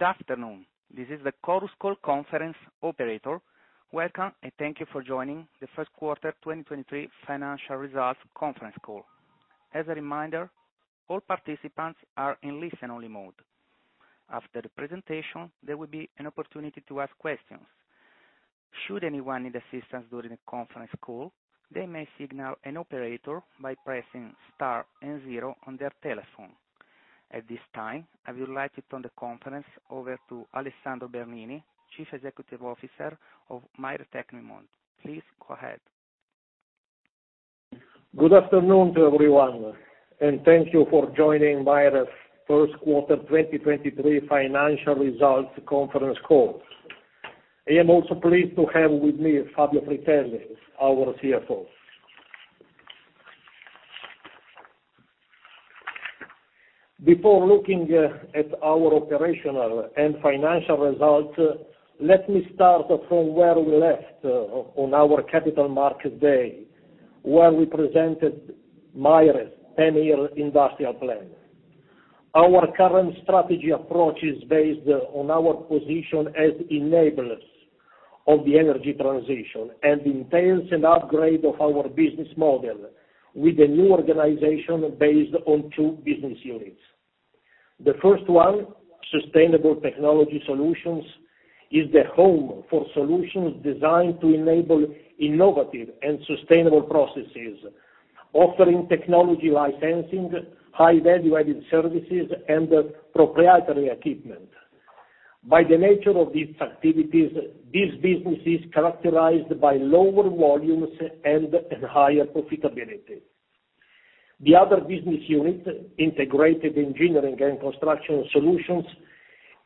Good afternoon. This is the Chorus Call conference operator. Welcome, and thank you for joining the first quarter 2023 financial results conference call. As a reminder, all participants are in listen-only mode. After the presentation, there will be an opportunity to ask questions. Should anyone need assistance during the conference call, they may signal an operator by pressing star and 0 on their telephone. At this time, I would like to turn the conference over to Alessandro Bernini, Chief Executive Officer of Maire Tecnimont. Please go ahead. Good afternoon to everyone, and thank you for joining Maire's first quarter 2023 financial results conference call. I am also pleased to have with me Fabio Fritelli, our CFO. Before looking at our operational and financial results, let me start from where we left on our capital market day, where we presented Maire's 10-year industrial plan. Our current strategy approach is based on our position as enablers of the energy transition, and intense and upgrade of our business model with a new organization based on two business units. The first one, Sustainable Technology Solutions, is the home for solutions designed to enable innovative and sustainable processes, offering technology licensing, high-value added services, and proprietary equipment. By the nature of these activities, this business is characterized by lower volumes and a higher profitability. The other business unit, Integrated Engineering and Construction Solutions,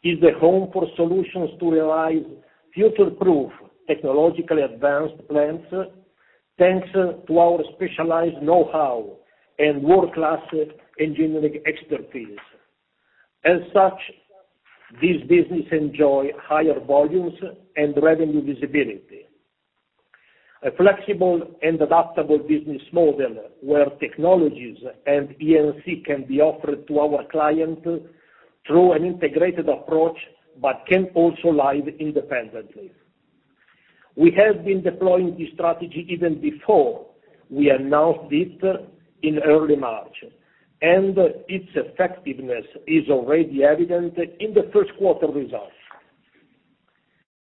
is the home for solutions to realize future-proof, technologically advanced plants, thanks to our specialized know-how and world-class engineering expertise. As such, this business enjoy higher volumes and revenue visibility. A flexible and adaptable business model where technologies and E&C can be offered to our client through an integrated approach, but can also live independently. We have been deploying this strategy even before we announced it in early March, and its effectiveness is already evident in the first quarter results.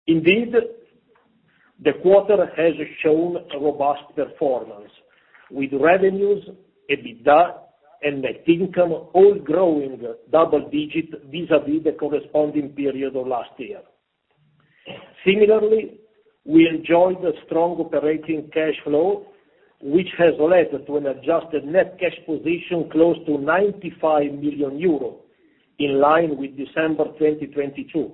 Indeed, the quarter has shown a robust performance, with revenues, EBITDA, and net income all growing double digit vis-à-vis the corresponding period of last year. Similarly, we enjoyed a strong operating cash flow, which has led to an adjusted net cash position close to 95 million euros, in line with December 2022.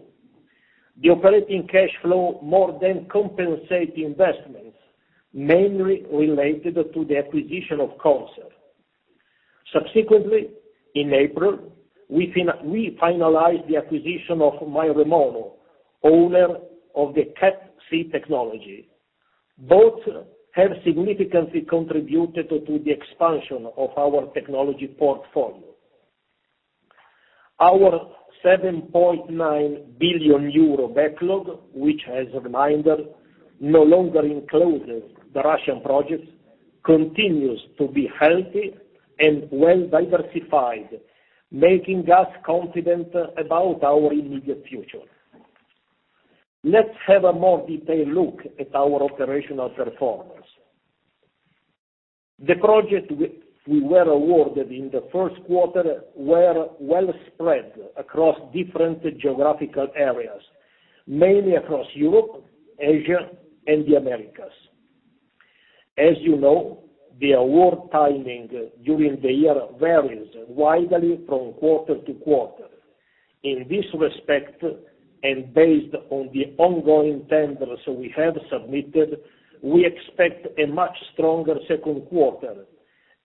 The operating cash flow more than compensate the investments, mainly related to the acquisition of Conser. Subsequently, in April, we finalized the acquisition of Maire Mono, owner of the CatC technology. Both have significantly contributed to the expansion of our technology portfolio. Our 7.9 billion euro backlog, which, as a reminder, no longer encloses the Russian projects, continues to be healthy and well-diversified, making us confident about our immediate future. Let's have a more detailed look at our operational performance. The project we were awarded in the first quarter were well spread across different geographical areas, mainly across Europe, Asia, and the Americas. As you know, the award timing during the year varies widely from quarter to quarter. In this respect, based on the ongoing tenders we have submitted, we expect a much stronger second quarter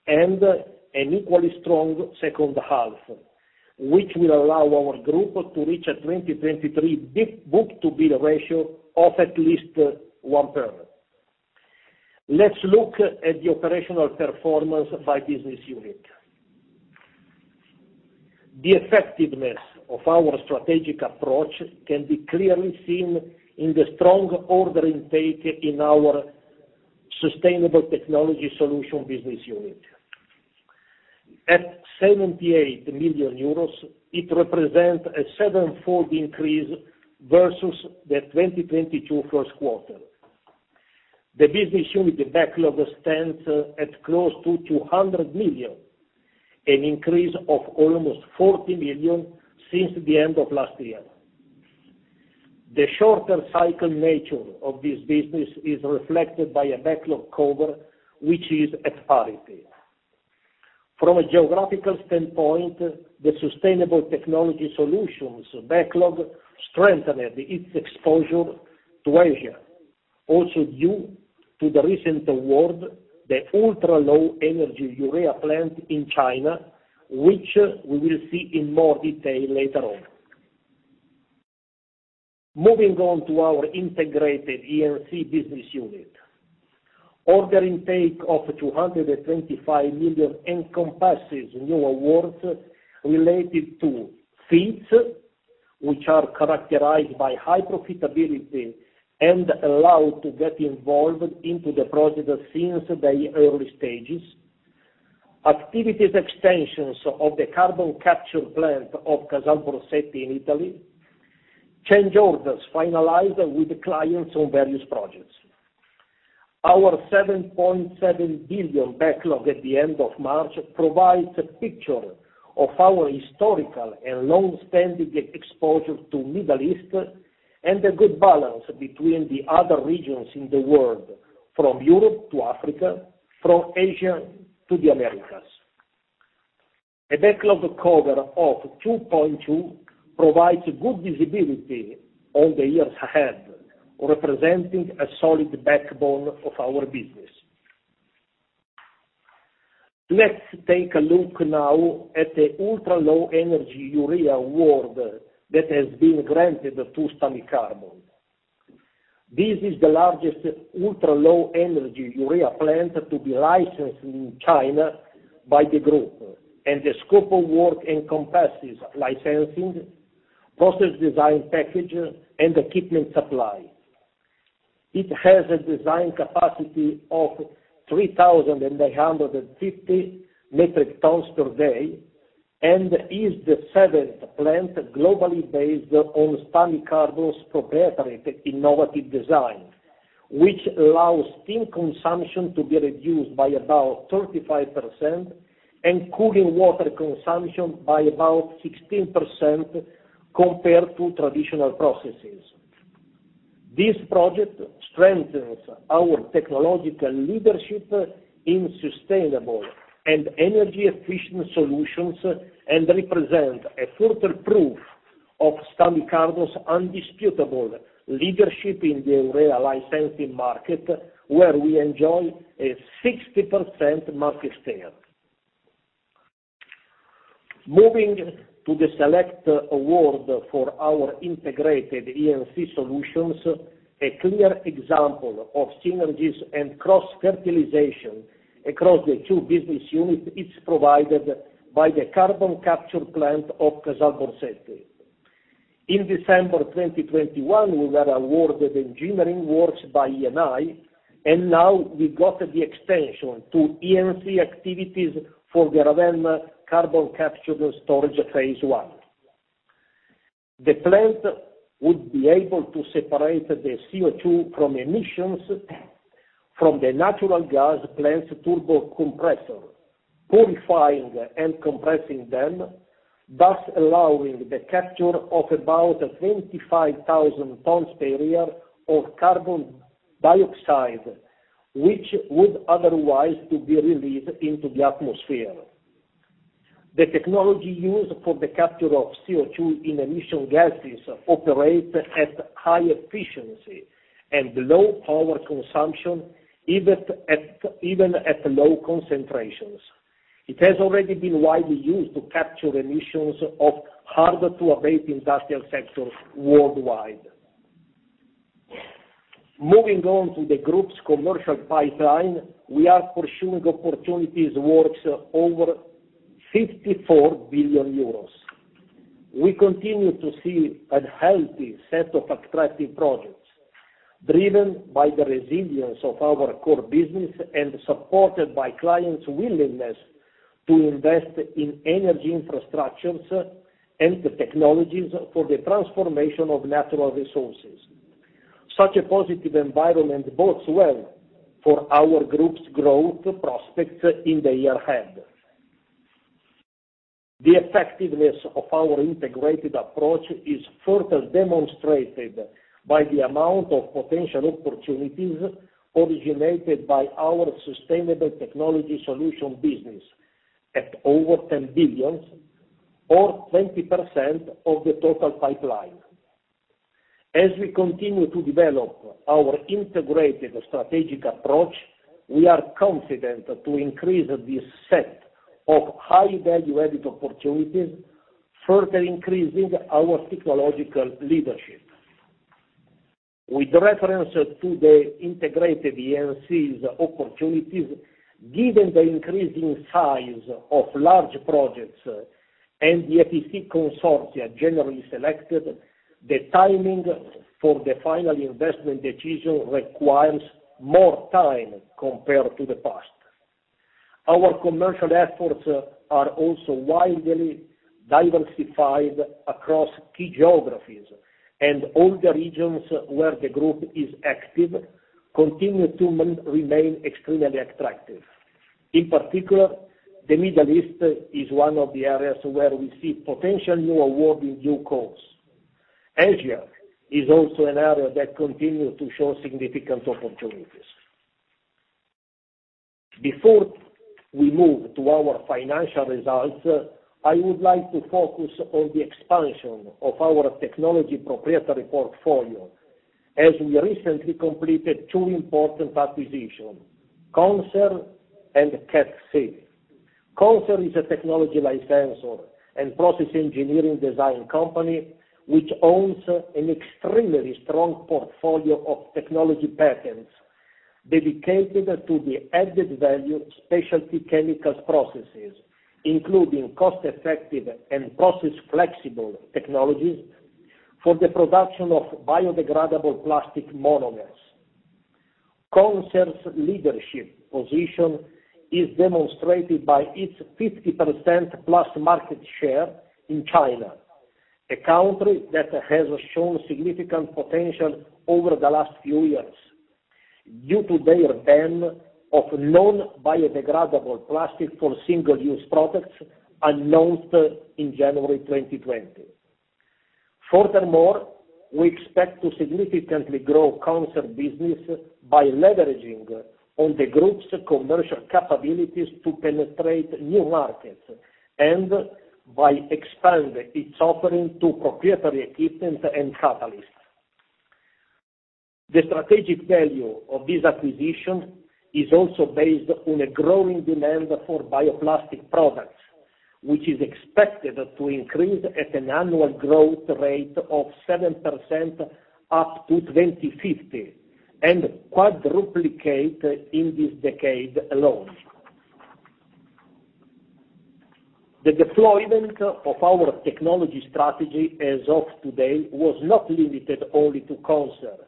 and an equally strong second half, which will allow our group to reach a 2023 book-to-bill ratio of at least 1x. Let's look at the operational performance by business unit. The effectiveness of our strategic approach can be clearly seen in the strong order intake in our Sustainable Technology Solutions business unit. At 78 million euros, it represents a 7-fold increase versus the 2022 first quarter. The business unit backlog stands at close to 200 million, an increase of almost 40 million since the end of last year. The shorter cycle nature of this business is reflected by a backlog cover which is at parity. From a geographical standpoint, the Sustainable Technology Solutions backlog strengthened its exposure to Asia, also due to the recent award, the ultra-low energy urea plant in China, which we will see in more detail later on. Moving on to our integrated E&C business unit. Order intake of 225 million encompasses new awards related to FEEDs, which are characterized by high profitability and allow to get involved into the project since the early stages. Activities extensions of the carbon capture plant of Casal Borsetti in Italy. Change orders finalized with clients on various projects. Our 7.7 billion backlog at the end of March provides a picture of our historical and long-standing exposure to Middle East, and a good balance between the other regions in the world, from Europe to Africa, from Asia to the Americas. A backlog cover of 2.2x provides good visibility on the years ahead, representing a solid backbone of our business. Let's take a look now at the ultra-low energy urea award that has been granted to Stamicarbon. This is the largest ultra-low energy urea plant to be licensed in China by the group. The scope of work encompasses licensing, process design package, and equipment supply. It has a design capacity of 3,950 metric tons per day, and is the seventh plant globally based on Stamicarbon's proprietary innovative design, which allows steam consumption to be reduced by about 35% and cooling water consumption by about 16% compared to traditional processes. This project strengthens our technological leadership in sustainable and energy efficient solutions, and represent a further proof of Stamicarbon's undisputable leadership in the urea licensing market, where we enjoy a 60% market share. Moving to the select award for our Integrated E&C Solutions, a clear example of synergies and cross-fertilization across the two business units is provided by the carbon capture plant of Casal Borsetti. In December 2021, we were awarded engineering works by Eni, now we got the extension to E&C activities for the Ravenna carbon capture and storage phase one. The plant would be able to separate the CO2 from emissions from the natural gas plant's turbo compressor, purifying and compressing them, thus allowing the capture of about 25,000 tons per year of carbon dioxide, which would otherwise to be released into the atmosphere. The technology used for the capture of CO2 in emission gases operate at high efficiency and low power consumption, even at low concentrations. It has already been widely used to capture emissions of hard to abate industrial sectors worldwide. Moving on to the group's commercial pipeline, we are pursuing opportunities worth over 54 billion euros. We continue to see a healthy set of attractive projects, driven by the resilience of our core business and supported by clients' willingness to invest in energy infrastructures and the technologies for the transformation of natural resources. Such a positive environment bodes well for our group's growth prospects in the year ahead. The effectiveness of our integrated approach is further demonstrated by the amount of potential opportunities originated by our Sustainable Technology Solutions business, at over 10 billion or 20% of the total pipeline. As we continue to develop our integrated strategic approach, we are confident to increase this set of high-value added opportunities, further increasing our technological leadership. With reference to the Integrated E&C's opportunities, given the increasing size of large projects and the EPC consortia generally selected, the timing for the final investment decision requires more time compared to the past. All the regions where the group is active continue to remain extremely attractive. In particular, the Middle East is one of the areas where we see potential new award in due course. Asia is also an area that continue to show significant opportunities. Before we move to our financial results, I would like to focus on the expansion of our technology proprietary portfolio, as we recently completed two important acquisitions, Conser and CatC. Conser is a technology licensor and process engineering design company, which owns an extremely strong portfolio of technology patents dedicated to the added value specialty chemicals processes, including cost-effective and process flexible technologies for the production of biodegradable plastic monomers. Conser's leadership position is demonstrated by its 50%+ market share in China, a country that has shown significant potential over the last few years due to their ban of non-biodegradable plastic for single-use products announced in January 2020. Furthermore, we expect to significantly grow Conser business by leveraging on the group's commercial capabilities to penetrate new markets and by expanding its offering to proprietary equipment and catalysts. The strategic value of this acquisition is also based on a growing demand for bioplastic products, which is expected to increase at an annual growth rate of 7% up to 2050, and quadruplicate in this decade alone. The deployment of our technology strategy as of today was not limited only to Conser,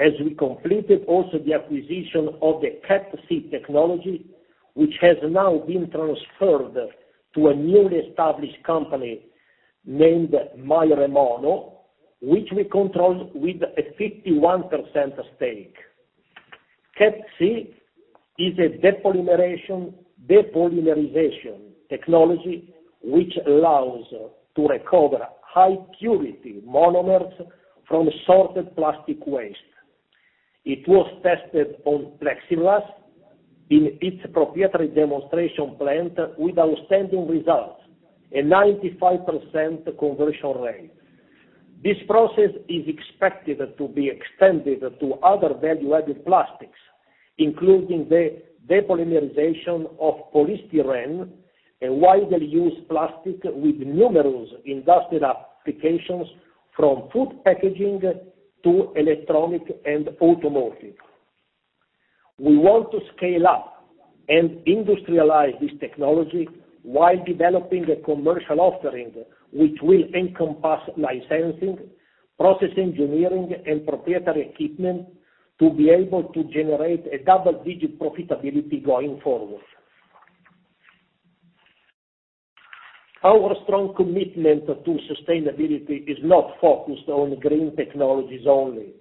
as we completed also the acquisition of the CatC technology, which has now been transferred to a newly established company named Maire Mono, which we control with a 51% stake. CatC is a depolymerization technology which allows to recover high purity monomers from sorted plastic waste. It was tested on Plexiglass in its proprietary demonstration plant with outstanding results, a 95% conversion rate. This process is expected to be extended to other value-added plastics, including the depolymerization of polystyrene, a widely used plastic with numerous industrial applications, from food packaging to electronic and automotive. We want to scale up and industrialize this technology while developing a commercial offering, which will encompass licensing, process engineering, and proprietary equipment to be able to generate a double-digit profitability going forward. Our strong commitment to sustainability is not focused on green technologies only,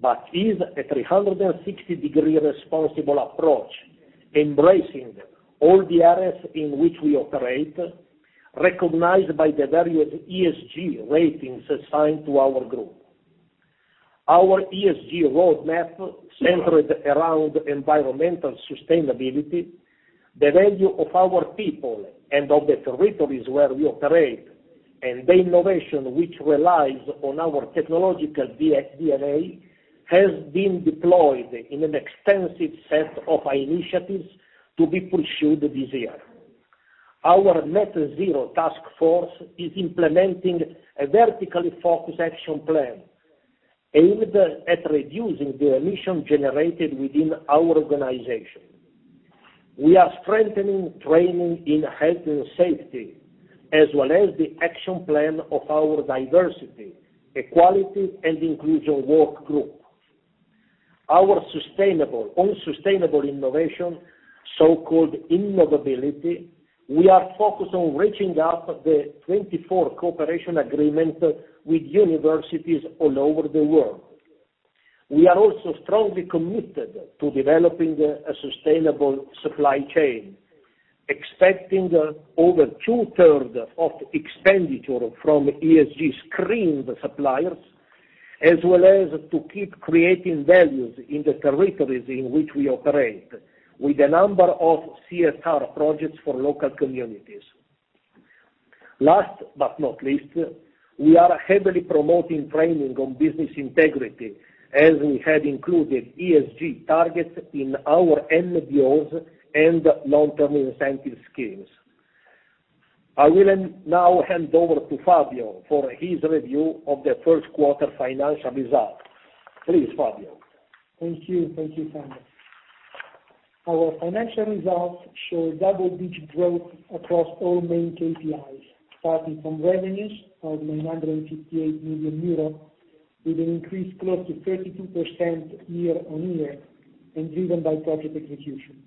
but is a 360-degree responsible approach, embracing all the areas in which we operate, recognized by the various ESG ratings assigned to our group. Our ESG roadmap centered around environmental sustainability. The value of our people and of the territories where we operate, the innovation which relies on our technological DNA, has been deployed in an extensive set of initiatives to be pursued this year. Our Net Zero task force is implementing a vertically focused action plan aimed at reducing the emission generated within our organization. We are strengthening training in health and safety, as well as the action plan of our diversity, equality, and inclusion workgroup. Our sustainable innovation, so-called innovability, we are focused on reaching out the 24 cooperation agreement with universities all over the world. We are also strongly committed to developing a sustainable supply chain, expecting over two-thirds of expenditure from ESG- screened suppliers, as well as to keep creating values in the territories in which we operate with a number of CSR projects for local communities. Last but not least, we are heavily promoting training on business integrity as we had included ESG targets in our MBOs and long-term incentive schemes. I will now hand over to Fabio for his review of the first quarter financial results. Please, Fabio. Thank you. Thank you, Sandro. Our financial results show double-digit growth across all main KPIs, starting from revenues of 958 million euros, with an increase close to 32% year-on-year, and driven by project execution.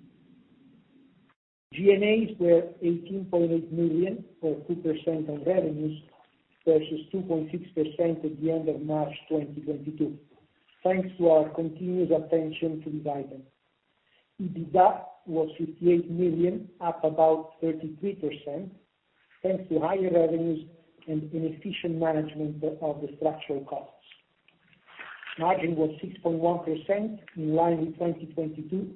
G&As were 18.8 million, or 2% on revenues, versus 2.6% at the end of March 2022, thanks to our continuous attention to this item. EBITDA was 58 million, up about 33%, thanks to higher revenues and inefficient management of the structural costs. Margin was 6.1% in line with 2022,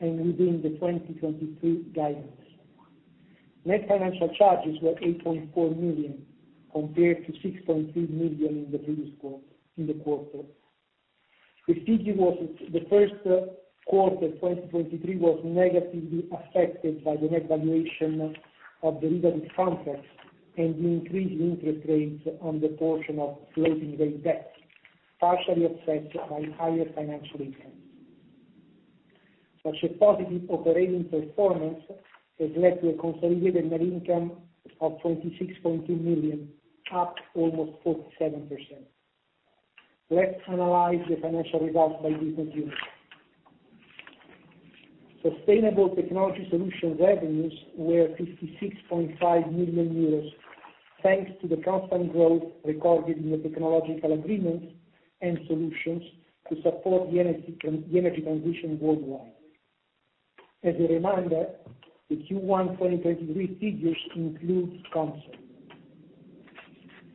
and within the 2023 guidance. Net financial charges were 8.4 million, compared to 6.3 million in the previous quarter, in the quarter. The first quarter 2023 was negatively affected by the net valuation of the related concepts and the increased interest rates on the portion of floating-rate debt, partially offset by higher financial income. Such a positive operating performance has led to a consolidated net income of 26.2 million, up almost 47%. Let's analyze the financial results by different units. Sustainable Technology Solutions revenues were 56.5 million euros, thanks to the constant growth recorded in the technological agreements and solutions to support the energy transition worldwide. As a reminder, the Q1 2023 figures include Conser.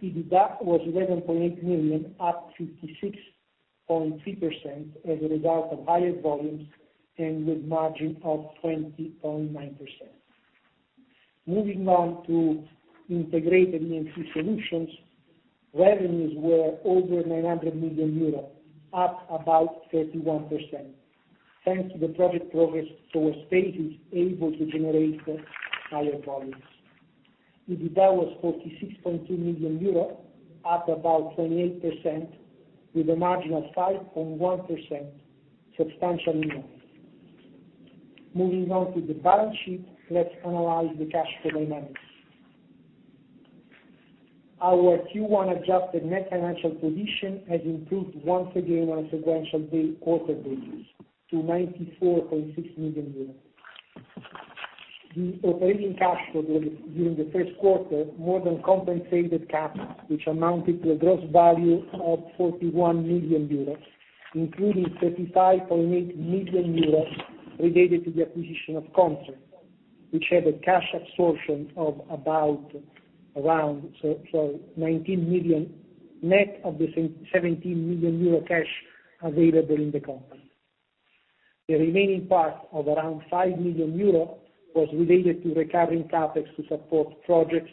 EBITDA was 11.8 million, up 56.3% as a result of higher volumes and with margin of 20.9%. Moving on to Integrated E&C Solutions, revenues were over 900 million euros, up about 31%. Thanks to the project progress, SolarSpace is able to generate higher volumes. EBITDA was 46.2 million euro, up about 28% with a margin of 5.1%, substantially more. Moving on to the balance sheet, let's analyze the cash flow dynamics. Our Q1 adjusted net financial position has improved once again on a sequential quarter basis to 94.6 million euros. The operating cash flow during the first quarter more than compensated CapEx, which amounted to a gross value of 41 million euros, including 35.8 million euros related to the acquisition of Conser, which had a cash absorption of 19 million, net of the 17 million euro cash available in the company. The remaining part of around 5 million euro was related to recurring CapEx to support projects,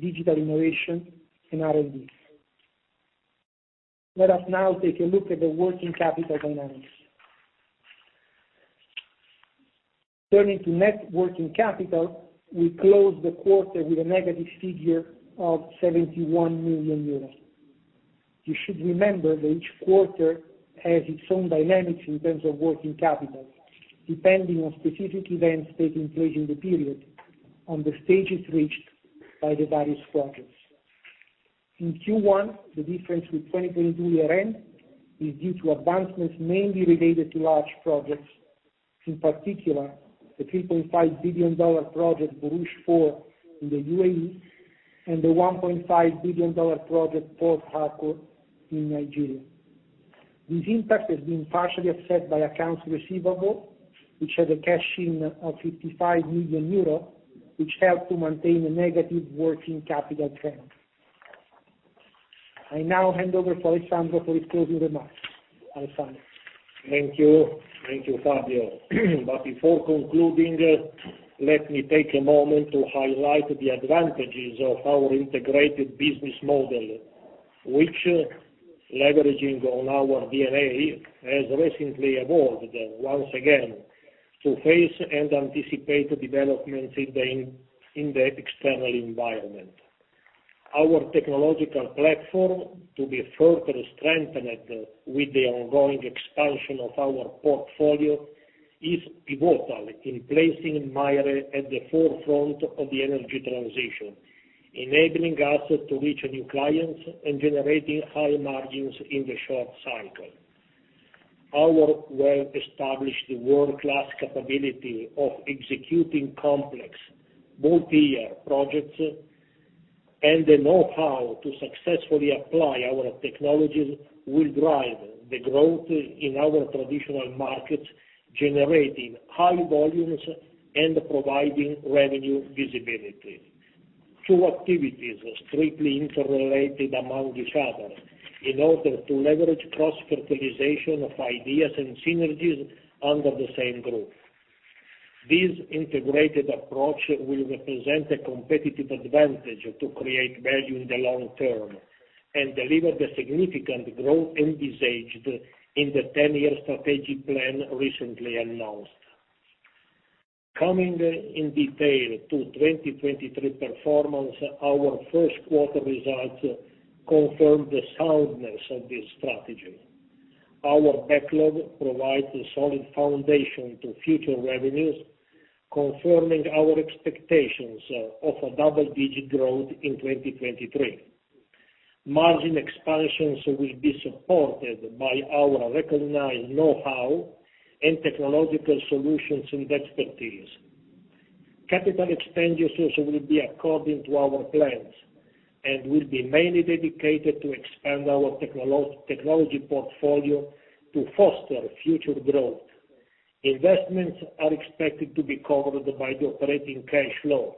digital innovation, and R&D. Let us now take a look at the working capital dynamics. Turning to net working capital, we closed the quarter with a negative figure of 71 million euros. You should remember that each quarter has its own dynamics in terms of working capital, depending on specific events taking place in the period, on the stages reached by the various projects. In Q1, the difference with 2022 year-end is due to advancements mainly related to large projects, in particular the $3.5 billion project Borouge 4 in the UAE and the $1.5 billion project Port Harcourt in Nigeria. This impact has been partially offset by accounts receivable, which has a cash-in of 55 million euros, which helped to maintain a negative working capital trend. I now hand over to Alessandro for his closing remarks. Alessandro? Thank you. Thank you, Fabio. Before concluding, let me take a moment to highlight the advantages of our integrated business model, which, leveraging on our D&A, has recently evolved once again to face and anticipate developments in the external environment. Our technological platform, to be further strengthened with the ongoing expansion of our portfolio, is pivotal in placing Maire at the forefront of the energy transition, enabling us to reach new clients and generating high margins in the short-cycle. Our well-established world-class capability of executing complex multi-year projects and the know-how to successfully apply our technologies will drive the growth in our traditional markets, generating high volumes and providing revenue visibility. Two activities are strictly interrelated among each other in order to leverage cross-fertilization of ideas and synergies under the same group. This integrated approach will represent a competitive advantage to create value in the long term and deliver the significant growth envisaged in the 10-year strategic plan, recently announced. Coming in detail to 2023 performance, our first quarter results confirm the soundness of this strategy. Our backlog provides a solid foundation to future revenues, confirming our expectations of a double-digit growth in 2023. Margin expansions will be supported by our recognized know-how and technological solutions and expertise. Capital expenditures will be according to our plans and will be mainly dedicated to expand our technology portfolio to foster future growth. Investments are expected to be covered by the operating cash flow,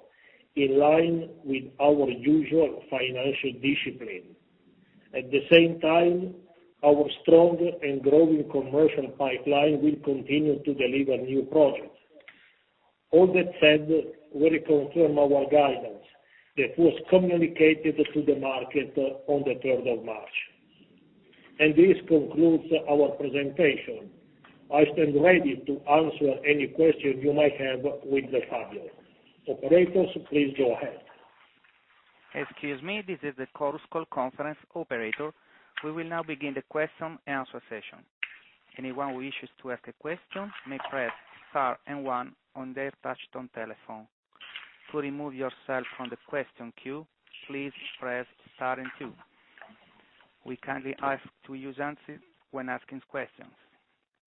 in line with our usual financial discipline. At the same time, our strong and growing commercial pipeline will continue to deliver new projects. All that said, we reconfirm our guidance that was communicated to the market on the 3rd of March. This concludes our presentation. I stand ready to answer any question you might have with Fabio. Operators, please go ahead. Excuse me. This is the Chorus Call conference operator. We will now begin the question and answer session. Anyone who wishes to ask a question may press star and one on their touch-tone telephone. To remove yourself from the question queue, please press star and two. We kindly ask to use handset when asking questions.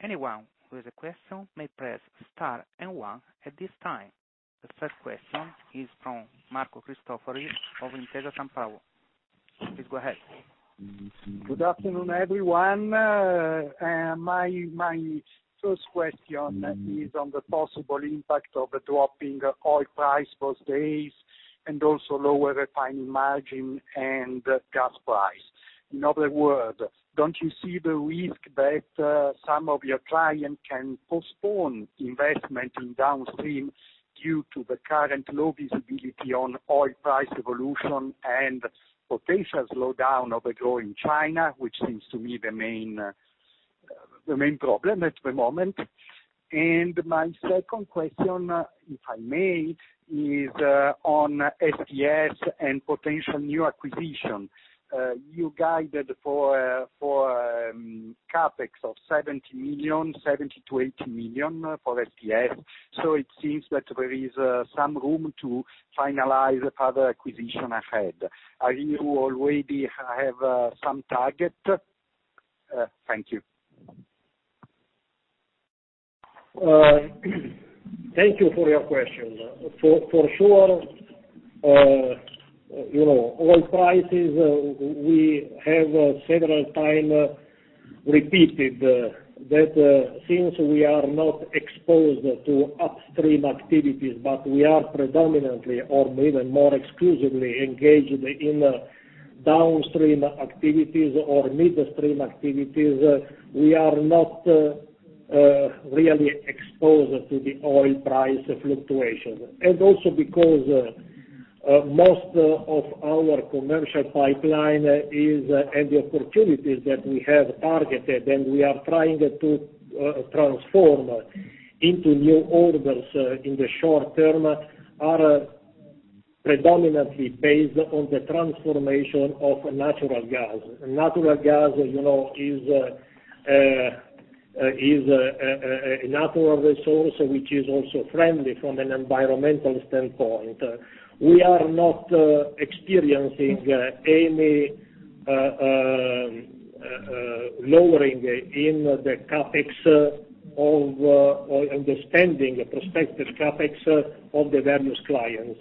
Anyone who has a question may press star and one at this time. The first question is from Marco Cristofori of Intesa Sanpaolo. Please go ahead. Good afternoon, everyone. My first question is on the possible impact of dropping oil price for days, and also lower refining margin and gas price. In other words, don't you see the risk that some of your clients can postpone investment in downstream due to the current low visibility on oil price evolution, and potential slowdown of the growing China, which seems to me the main problem at the moment? My second question, if I may, is on STS and potential new acquisition. You guided for CapEx of 70 million, 70 million-80 million for STS. It seems that there is some room to finalize other acquisition ahead. Are you already have some target? Thank you. Thank you for your question. For, for sure, you know, oil prices, we have several time repeated that, since we are not exposed to upstream activities, but we are predominantly or even more exclusively engaged in downstream activities or midstream activities, we are not really exposed to the oil price fluctuation. And also because most of our commercial pipeline is, and the opportunities that we have targeted, and we are trying to transform into new orders in the short term, are predominantly based on the transformation of natural gas. Natural gas, you know, is a natural resource, which is also friendly from an environmental standpoint. We are not experiencing any lowering in the CapEx of, or the spending, the prospective CapEx of the various clients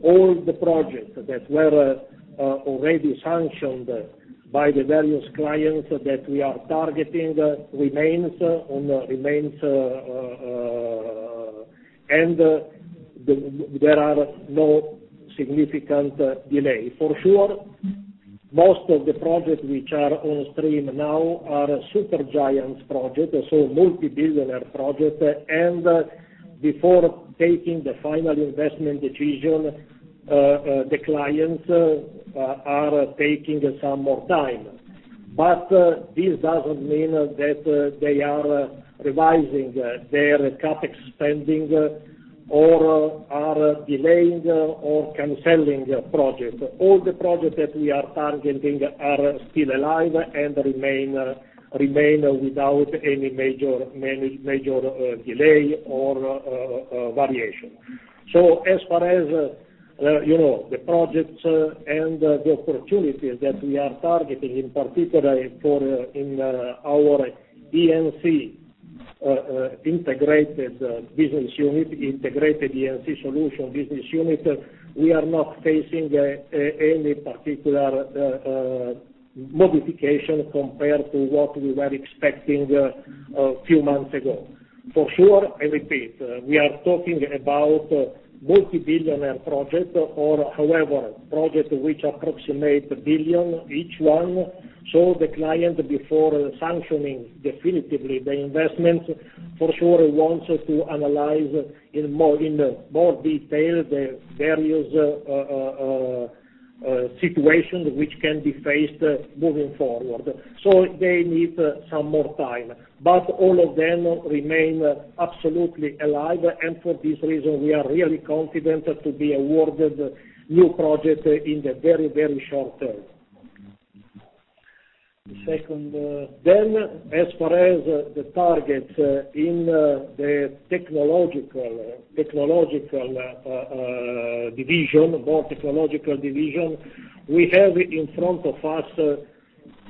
All the projects that were already sanctioned by the various clients that we are targeting remains. There are no significant delay. For sure, most of the projects which are on stream now are super giants projects, so multi-billionaire projects. Before taking the Final Investment Decision, the clients are taking some more time. This doesn't mean that they are revising their CapEx spending or are delaying or canceling their projects. All the projects that we are targeting are still alive and remain without any major delay or variation. As far as, you know, the projects and the opportunities that we are targeting, in particular for, in our E&C integrated business unit, Integrated E&C Solutions business unit, we are not facing any particular modification compared to what we were expecting a few months ago. For sure, I repeat, we are talking about multi-billionaire projects or however, projects which approximate 1 billion each one. The client, before sanctioning definitively the investment, for sure wants to analyze in more detail the various situation which can be faced moving forward. They need some more time, but all of them remain absolutely alive. For this reason, we are really confident to be awarded new projects in the very, very short term. The second, As far as the target in the more technological division, we have in front of us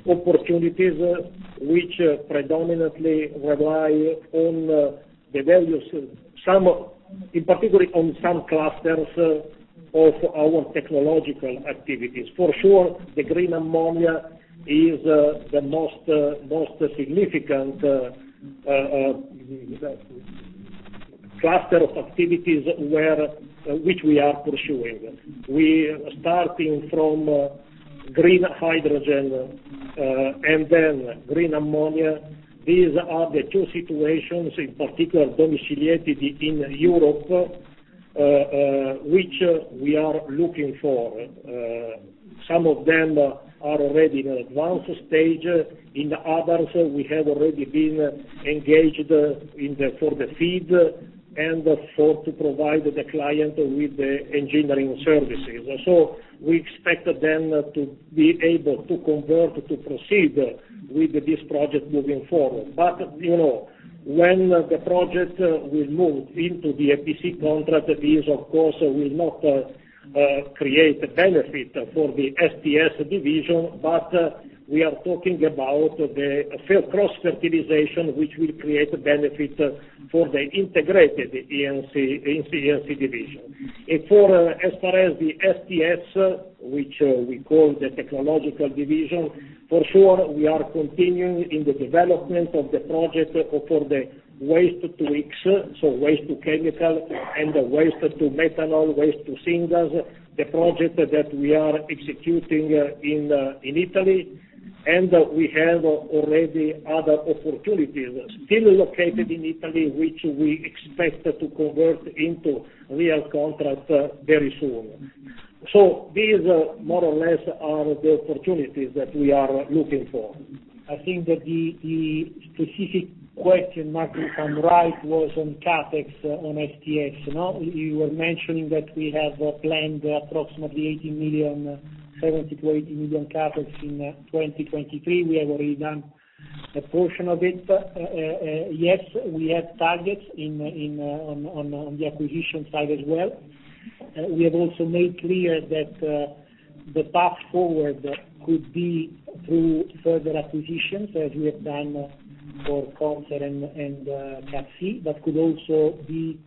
opportunities which predominantly rely on the values in particular on some clusters of our technological activities. For sure, the green ammonia is the most significant cluster of activities which we are pursuing. We are starting from green hydrogen and then green ammonia. These are the two situations, in particular domiciliated in Europe, which we are looking for. Some of them are already in advanced stage. In the others, we have already been engaged for the FEED, and to provide the client with the engineering services. We expect then to be able to convert, to proceed with this project moving forward. You know, when the project will move into the EPC contract, this of course will not create benefit for the STS division. We are talking about the field cross-fertilization, which will create a benefit for the Integrated E&C division. For as far as the STS, which we call the technological division, for sure we are continuing in the development of the project for the Waste-to-X, so waste-to-chemical and waste-to-methanol, waste-to-syngas, the project that we are executing in Italy. We have already other opportunities still located in Italy, which we expect to convert into real contract very soon. These more or less are the opportunities that we are looking for. I think that the specific question, Marco, if I'm right, was on CapEx on STS, no? You were mentioning that we have planned approximately 80 million, 70 million-80 million CapEx in 2023. We have already done a portion of it. Yes, we have targets in on, on the acquisition side as well. We have also made clear that the path forward could be through further acquisitions, as we have done for Conser and CatC, but could also be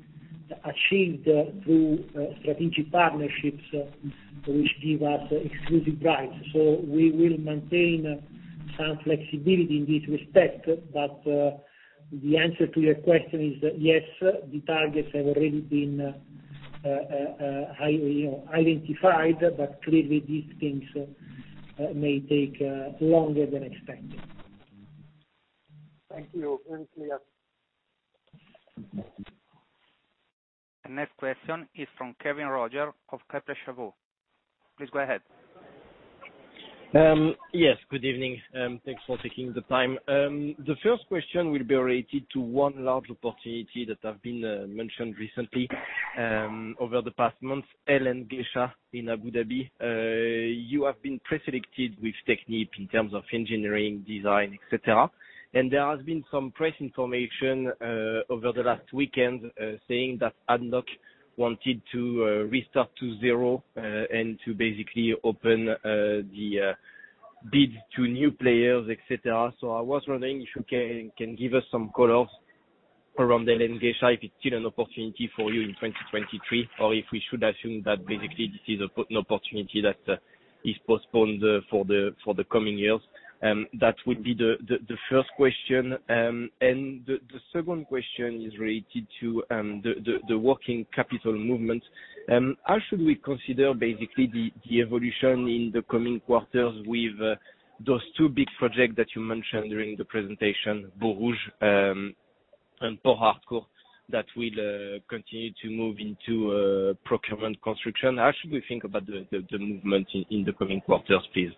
achieved through strategic partnerships which give us exclusive rights. We will maintain some flexibility in this respect. The answer to your question is, yes, the targets have already been identified, but clearly these things may take longer than expected. Thank you. Very clear. The next question is from Kévin Roger of Kepler Cheuvreux. Please go ahead. Yes, good evening, thanks for taking the time. The first question will be related to one large opportunity that have been mentioned recently over the past months, Hail and Ghasha in Abu Dhabi. You have been preselected with Technip in terms of engineering, design, et cetera. There has been some press information over the last weekend saying that ADNOC wanted to restart to zero and to basically open the bids to new players, et cetera. I was wondering if you can give us some colors around Hail and Ghasha, if it's still an opportunity for you in 2023, or if we should assume that basically this is an opportunity that is postponed for the coming years. That would be the first question. The second question is related to the working capital movement. How should we consider basically the evolution in the coming quarters with those two big projects that you mentioned during the presentation, Borouge and Port Harcourt, that will continue to move into procurement construction? How should we think about the movement in the coming quarters, please?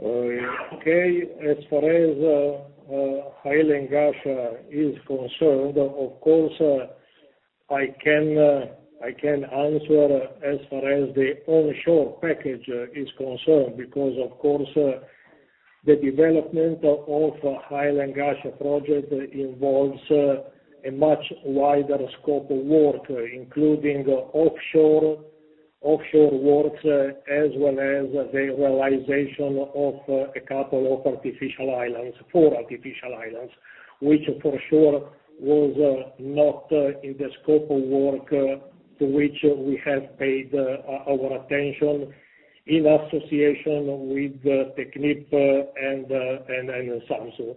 Okay. As far as Hail and Ghasha is concerned, of course, I can answer as far as the onshore package is concerned. Of course, the development of Hail and Ghasha project involves a much wider scope of work, including offshore works, as well as the realization of a couple of artificial islands, four artificial islands. Which for sure was not in the scope of work to which we have paid our attention in association with Technip and Samsung.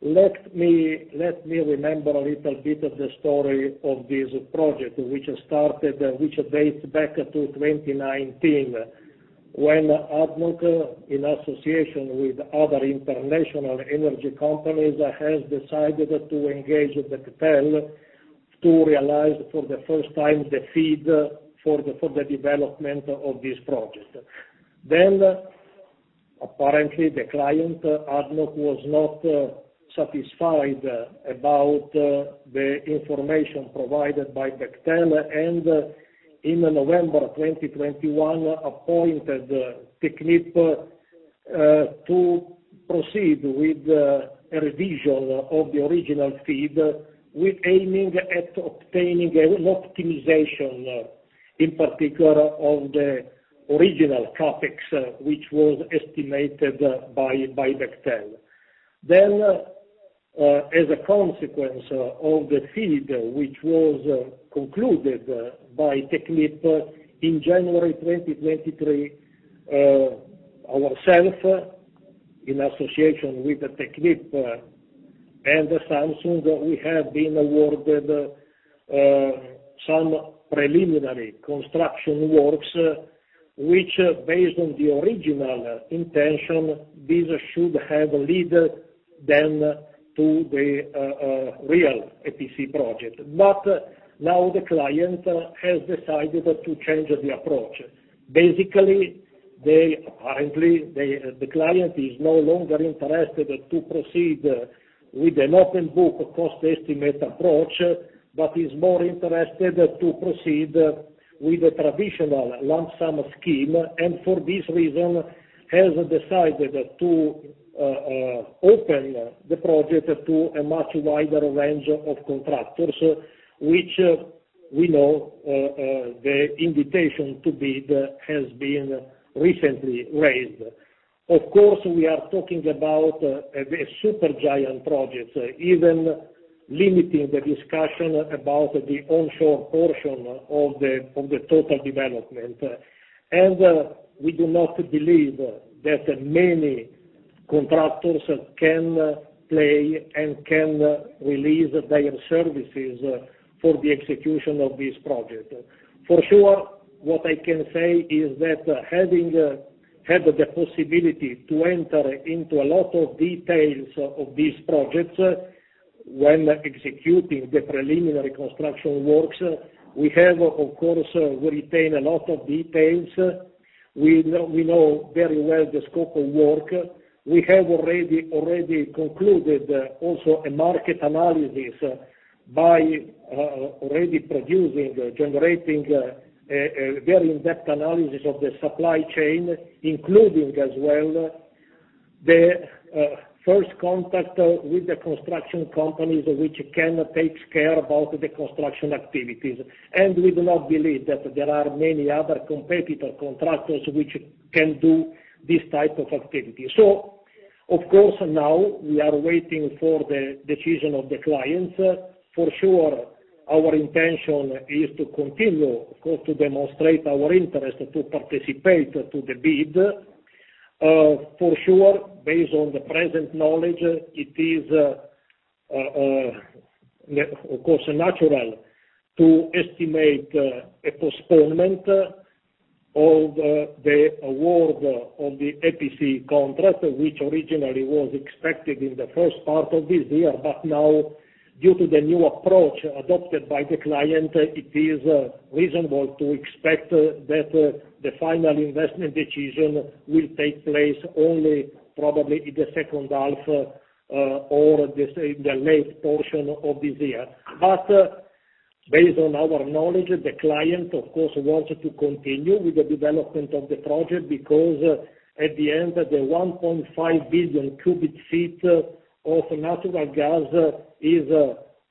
Let me remember a little bit of the story of this project, which started, which dates back to 2019, when ADNOC, in association with other international energy companies, has decided to engage with Bechtel to realize for the first time the FEED for the development of this project. Apparently, the client, ADNOC, was not satisfied about the information provided by Bechtel, and in November 2021 appointed Technip to proceed with a revision of the original FEED, with aiming at obtaining an optimization in particular on the original CapEx, which was estimated by Bechtel. As a consequence of the FEED which was concluded by Technip in January 2023, in association with Technip and Samsung, we have been awarded some preliminary construction works, which based on the original intention, this should have lead then to the real EPC project. The client has decided to change the approach. Basically, currently, the client is no longer interested to proceed with an open book cost estimate approach, but is more interested to proceed with a traditional lump sum scheme. For this reason has decided to open the project to a much wider range of contractors, which we know, the invitation to bid has been recently raised. We are talking about a super giant project, even limiting the discussion about the onshore portion of the total development. We do not believe that many contractors can play and can release their services for the execution of this project. For sure, what I can say is that having had the possibility to enter into a lot of details of these projects when executing the preliminary construction works, we have of course, retained a lot of details. We know very well the scope of work. We have already concluded also a market analysis by already producing, generating a very in-depth analysis of the supply chain, including as well the first contact with the construction companies, which can takes care about the construction activities. We do not believe that there are many other competitor contractors which can do this type of activity. Of course, now we are waiting for the decision of the clients. For sure our intention is to continue, of course, to demonstrate our interest to participate to the bid. For sure, based on the present knowledge, it is, of course natural to estimate a postponement of the award of the EPC contract, which originally was expected in the first part of this year. Now, due to the new approach adopted by the client, it is reasonable to expect that the Final Investment Decision will take place only probably in the second half or the late portion of this year. Based on our knowledge, the client of course, wants to continue with the development of the project, because at the end, the 1.5 billion cu ft of natural gas is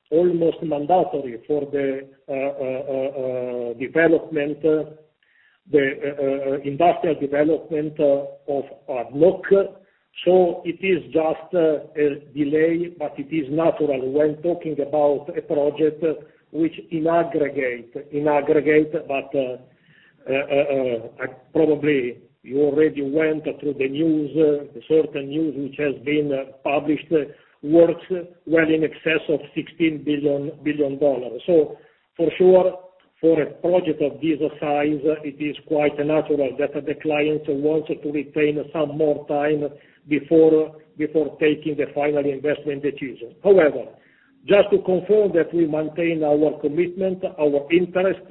almost mandatory for the development, the industrial development of ADNOC. It is just a delay, but it is natural when talking about a project which in aggregate, probably you already went through the news, certain news which has been published, works well in excess of $16 billion. For sure, for a project of this size, it is quite natural that the client wants to retain some more time before taking the final investment decision. However, just to confirm that we maintain our commitment, our interest,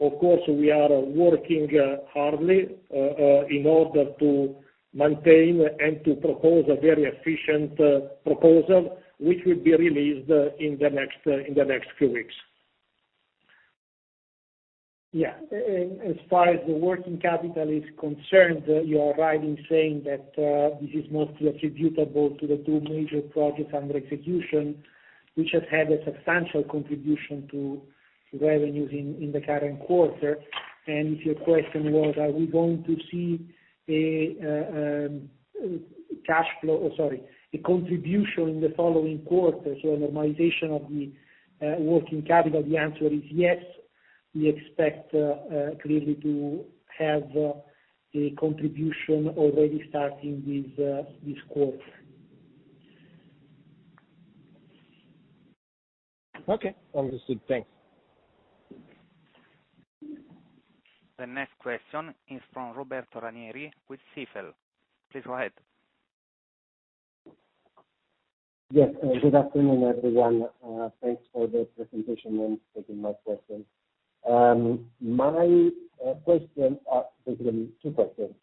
of course, we are working hardly in order to maintain and to propose a very efficient proposal, which will be released in the next few weeks. Yeah. As far as the working capital is concerned, you are right in saying that this is mostly attributable to the two major projects under execution, which has had a substantial contribution to revenues in the current quarter. If your question was, are we going to see a cash flow or, sorry, a contribution in the following quarter, so a normalization of the working capital, the answer is yes. We expect clearly to have a contribution already starting with this quarter. Okay. Understood. Thanks. The next question is from Roberto Ranieri with Stifel. Please go ahead. Good afternoon, everyone. Thanks for the presentation and taking my question. My question are basically two questions.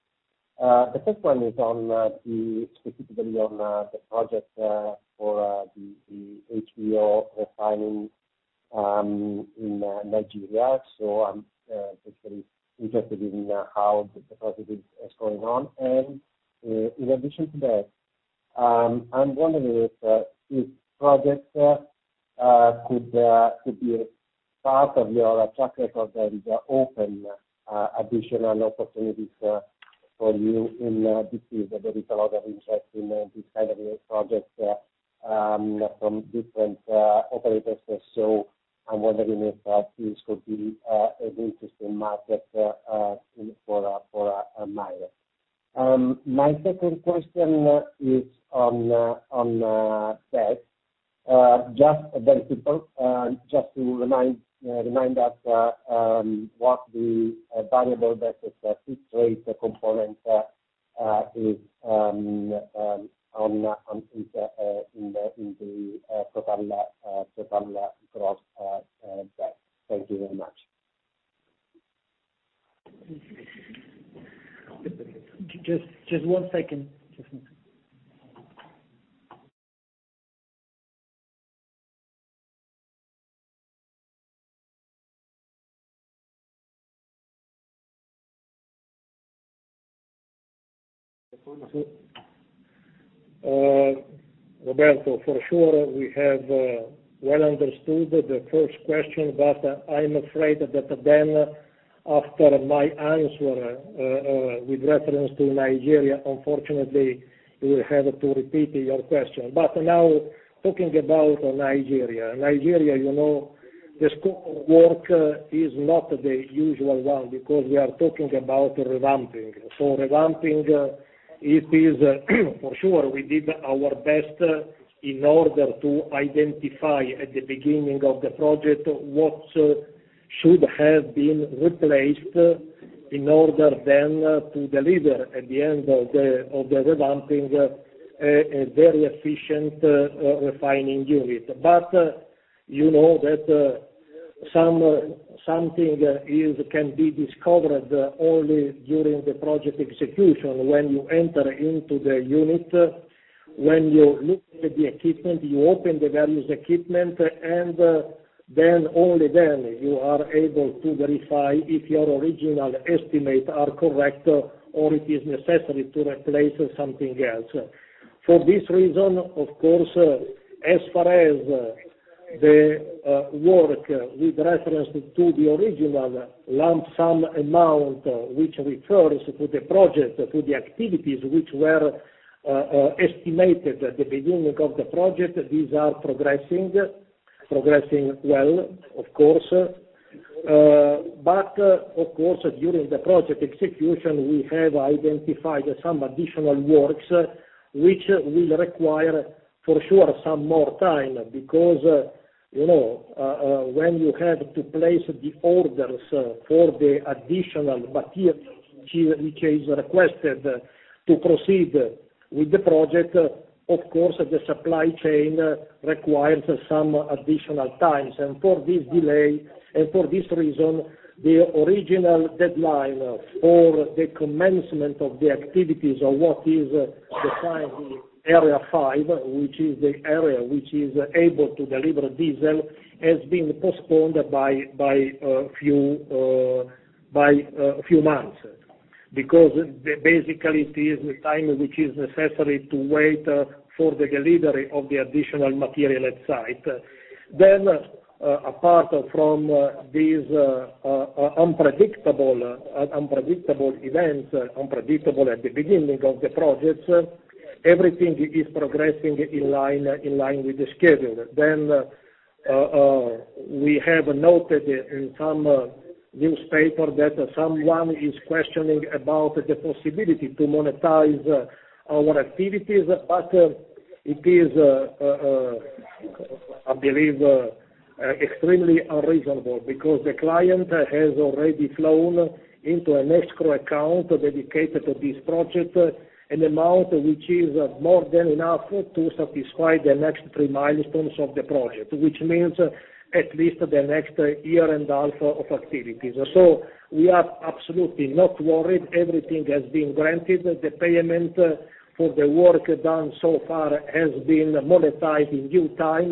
The first one is on the specifically on the project for the HVO refining in Nigeria. I'm basically interested in how the project is going on. In addition to that, I'm wondering if projects could be part of your track record that is open additional opportunities for you in this field. There is a lot of interest in this kind of projects from different operators. I'm wondering if this could be an interesting market for a buyer. My second question is on debt. Just very simple, just to remind us, what the variable debt fixed rate component is, in the total debt, total gross debt. Thank you very much. Just one second. Roberto, for sure we have well understood the first question, I'm afraid that after my answer, with reference to Nigeria, unfortunately you will have to repeat your question. Now talking about Nigeria. Nigeria, you know, the scope of work is not the usual one because we are talking about revamping. Revamping, it is for sure we did our best in order to identify at the beginning of the project what should have been replaced in order then to deliver at the end of the revamping a very efficient refining unit. you know, that something can be discovered only during the project execution when you enter into the unit, when you look at the equipment, you open the various equipment, and then, only then, you are able to verify if your original estimate are correct or it is necessary to replace something else. For this reason, of course, as far as the work with reference to the original lump sum amount, which refers to the project, to the activities which were estimated at the beginning of the project, these are progressing well, of course. Of course, during the project execution, we have identified some additional works which will require for sure some more time because, you know, when you have to place the orders for the additional material which is requested to proceed with the project, of course, the supply chain requires some additional times. For this delay, and for this reason, the original deadline for the commencement of the activities of what is defined the Area 5, which is the area which is able to deliver diesel, has been postponed by a few months. Basically it is the time which is necessary to wait for the delivery of the additional material at site. Apart from these unpredictable events, unpredictable at the beginning of the project, everything is progressing in line, in line with the schedule. We have noted in some newspaper that someone is questioning about the possibility to monetize our activities, but it is, I believe, extremely unreasonable because the client has already flown into an escrow account dedicated to this project, an amount which is more than enough to satisfy the next three milestones of the project, which means at least the next year and a half of activities. We are absolutely not worried. Everything has been granted. The payment for the work done so far has been monetized in due time.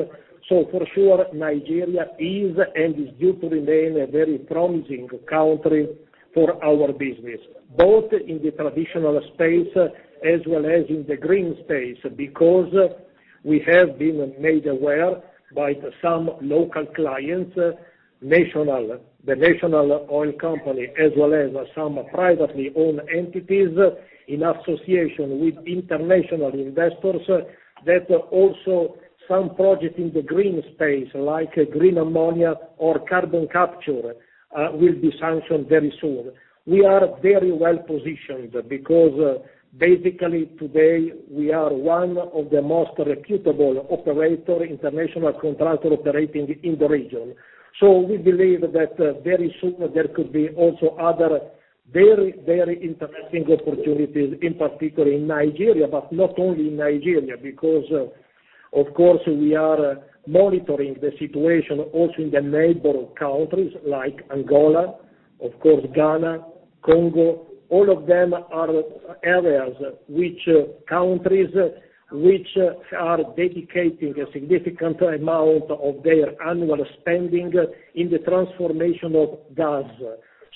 For sure, Nigeria is and is due to remain a very promising country for our business, both in the traditional space as well as in the green space, because we have been made aware by some local clients, national, the national oil company, as well as some privately owned entities in association with international investors, that also some project in the green space, like green ammonia or carbon capture will be sanctioned very soon. We are very well positioned because basically today we are one of the most reputable operator, international contractor operating in the region. We believe that very soon there could be also other very, very interesting opportunities, in particular in Nigeria, but not only in Nigeria because, of course, we are monitoring the situation also in the neighbor countries like Angola, of course, Ghana, Congo. All of them are areas which, countries which are dedicating a significant amount of their annual spending in the transformation of gas.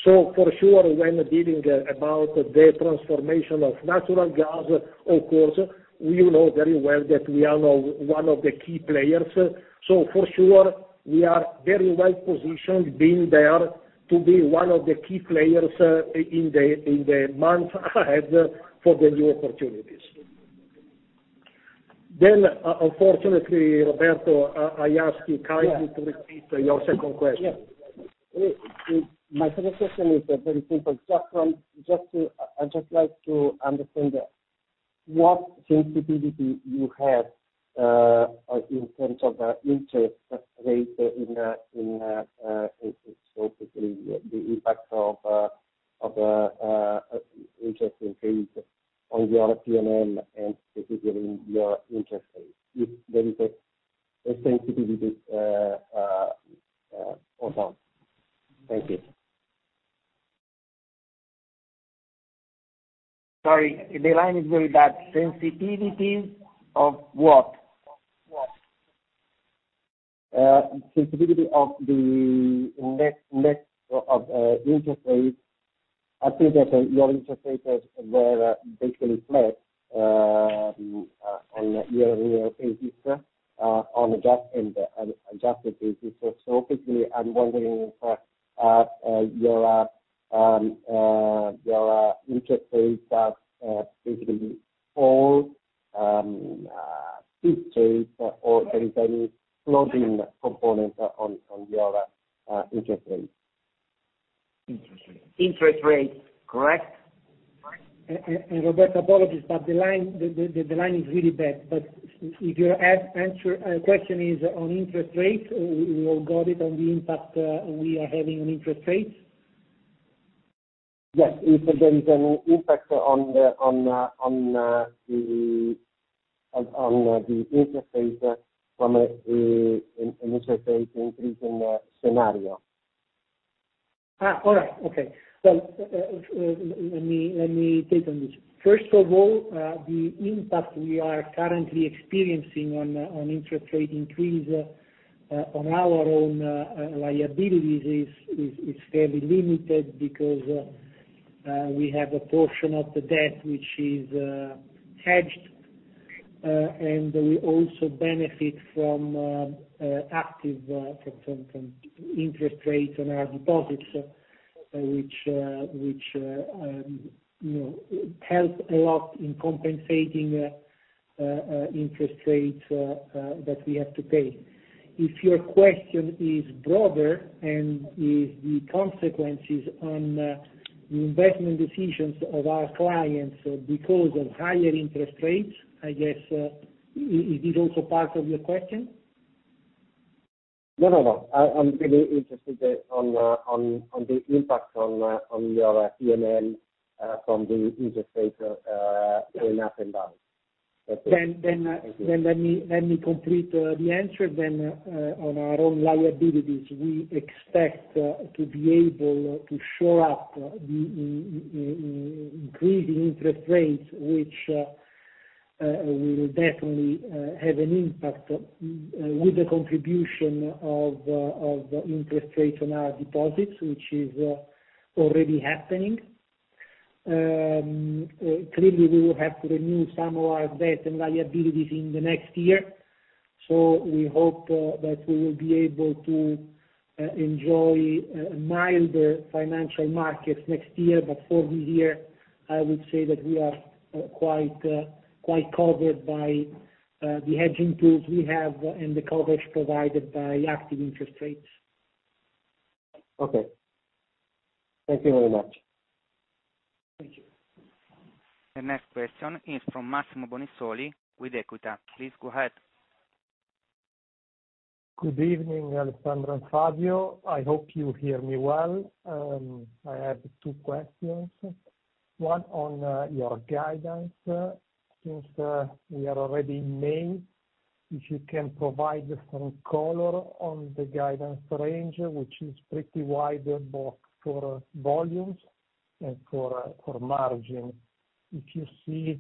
For sure, when dealing about the transformation of natural gas, of course, we know very well that we are now one of the key players. For sure, we are very well positioned, being there. To be one of the key players, in the months ahead for the new opportunities. Unfortunately, Roberto, I ask you kindly to repeat your second question. Yes. My second question is a very simple. I'd just like to understand what sensitivity you have in terms of the interest rate in, so basically the impact of interest increase on your P&L, and specifically your interest rate. If there is a sensitivity or some. Thank you. Sorry, the line is very bad. Sensitivity of what? What? Sensitivity of the next of interest rate. I think that your interest rates were basically flat on year basis on adjusted basis. Basically I'm wondering if your interest rates are basically all fixed rate or there is any floating component on your interest rates. Interest rates. Interest rates, correct? Roberto, apologies, but the line is really bad. If your answer, question is on interest rates, we all got it on the impact, we are having on interest rates. Yes. If there is an impact on the interest rates from an interest rate increase in the scenario. All right. Okay. Well, let me take on this. First of all, the impact we are currently experiencing on interest rate increase on our own liabilities is fairly limited because we have a portion of the debt which is hedged. We also benefit from active from interest rates on our deposits, which, you know, help a lot in compensating interest rates that we have to pay. If your question is broader and is the consequences on the investment decisions of our clients because of higher interest rates, I guess, is this also part of your question? No, no. I'm really interested on the impact on your P&L from the interest rates going up and down. That's it. Thank you. Let me complete the answer then. On our own liabilities, we expect to be able to shore up the increasing interest rates, which will definitely have an impact with the contribution of interest rates on our deposits, which is already happening. Clearly we will have to renew some of our debt and liabilities in the next year, so we hope that we will be able to enjoy milder financial markets next year. For this year, I would say that we are quite covered by the hedging tools we have and the coverage provided by active interest rates. Okay. Thank you very much. Thank you. The next question is from Massimo Bonisoli with Equita. Please go ahead. Good evening, Alessandro and Fabio. I hope you hear me well. I have two questions. One on your guidance. Since we are already in May, if you can provide some color on the guidance range, which is pretty wide both for volumes and for margin. If you see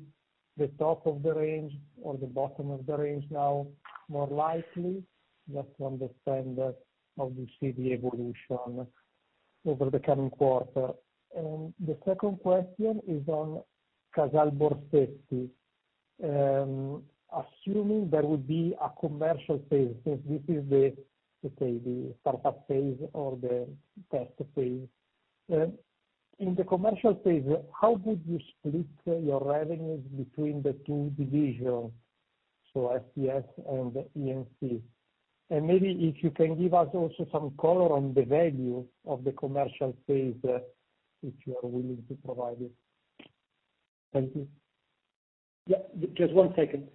the top of the range or the bottom of the range now more likely, just to understand how you see the evolution over the coming quarter. The second question is on Casal Borsetti. Assuming there will be a commercial phase, since this is the, let's say the startup phase or the test phase. In the commercial phase, how would you split your revenues between the two divisions, so STS and IE&CS? Maybe if you can give us also some color on the value of the commercial phase, if you are willing to provide it. Thank you. Yeah, just one second.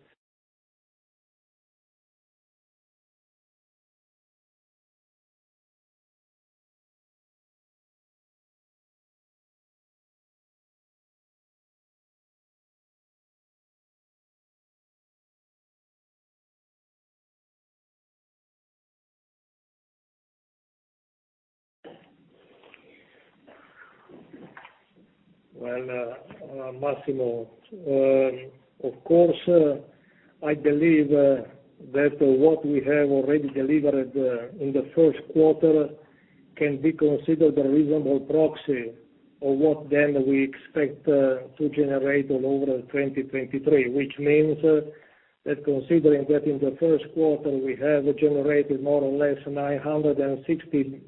Well, Massimo, of course, I believe that what we have already delivered in the first quarter can be considered a reasonable proxy. What then we expect to generate on over 2023, which means that considering that in the first quarter we have generated more or less 960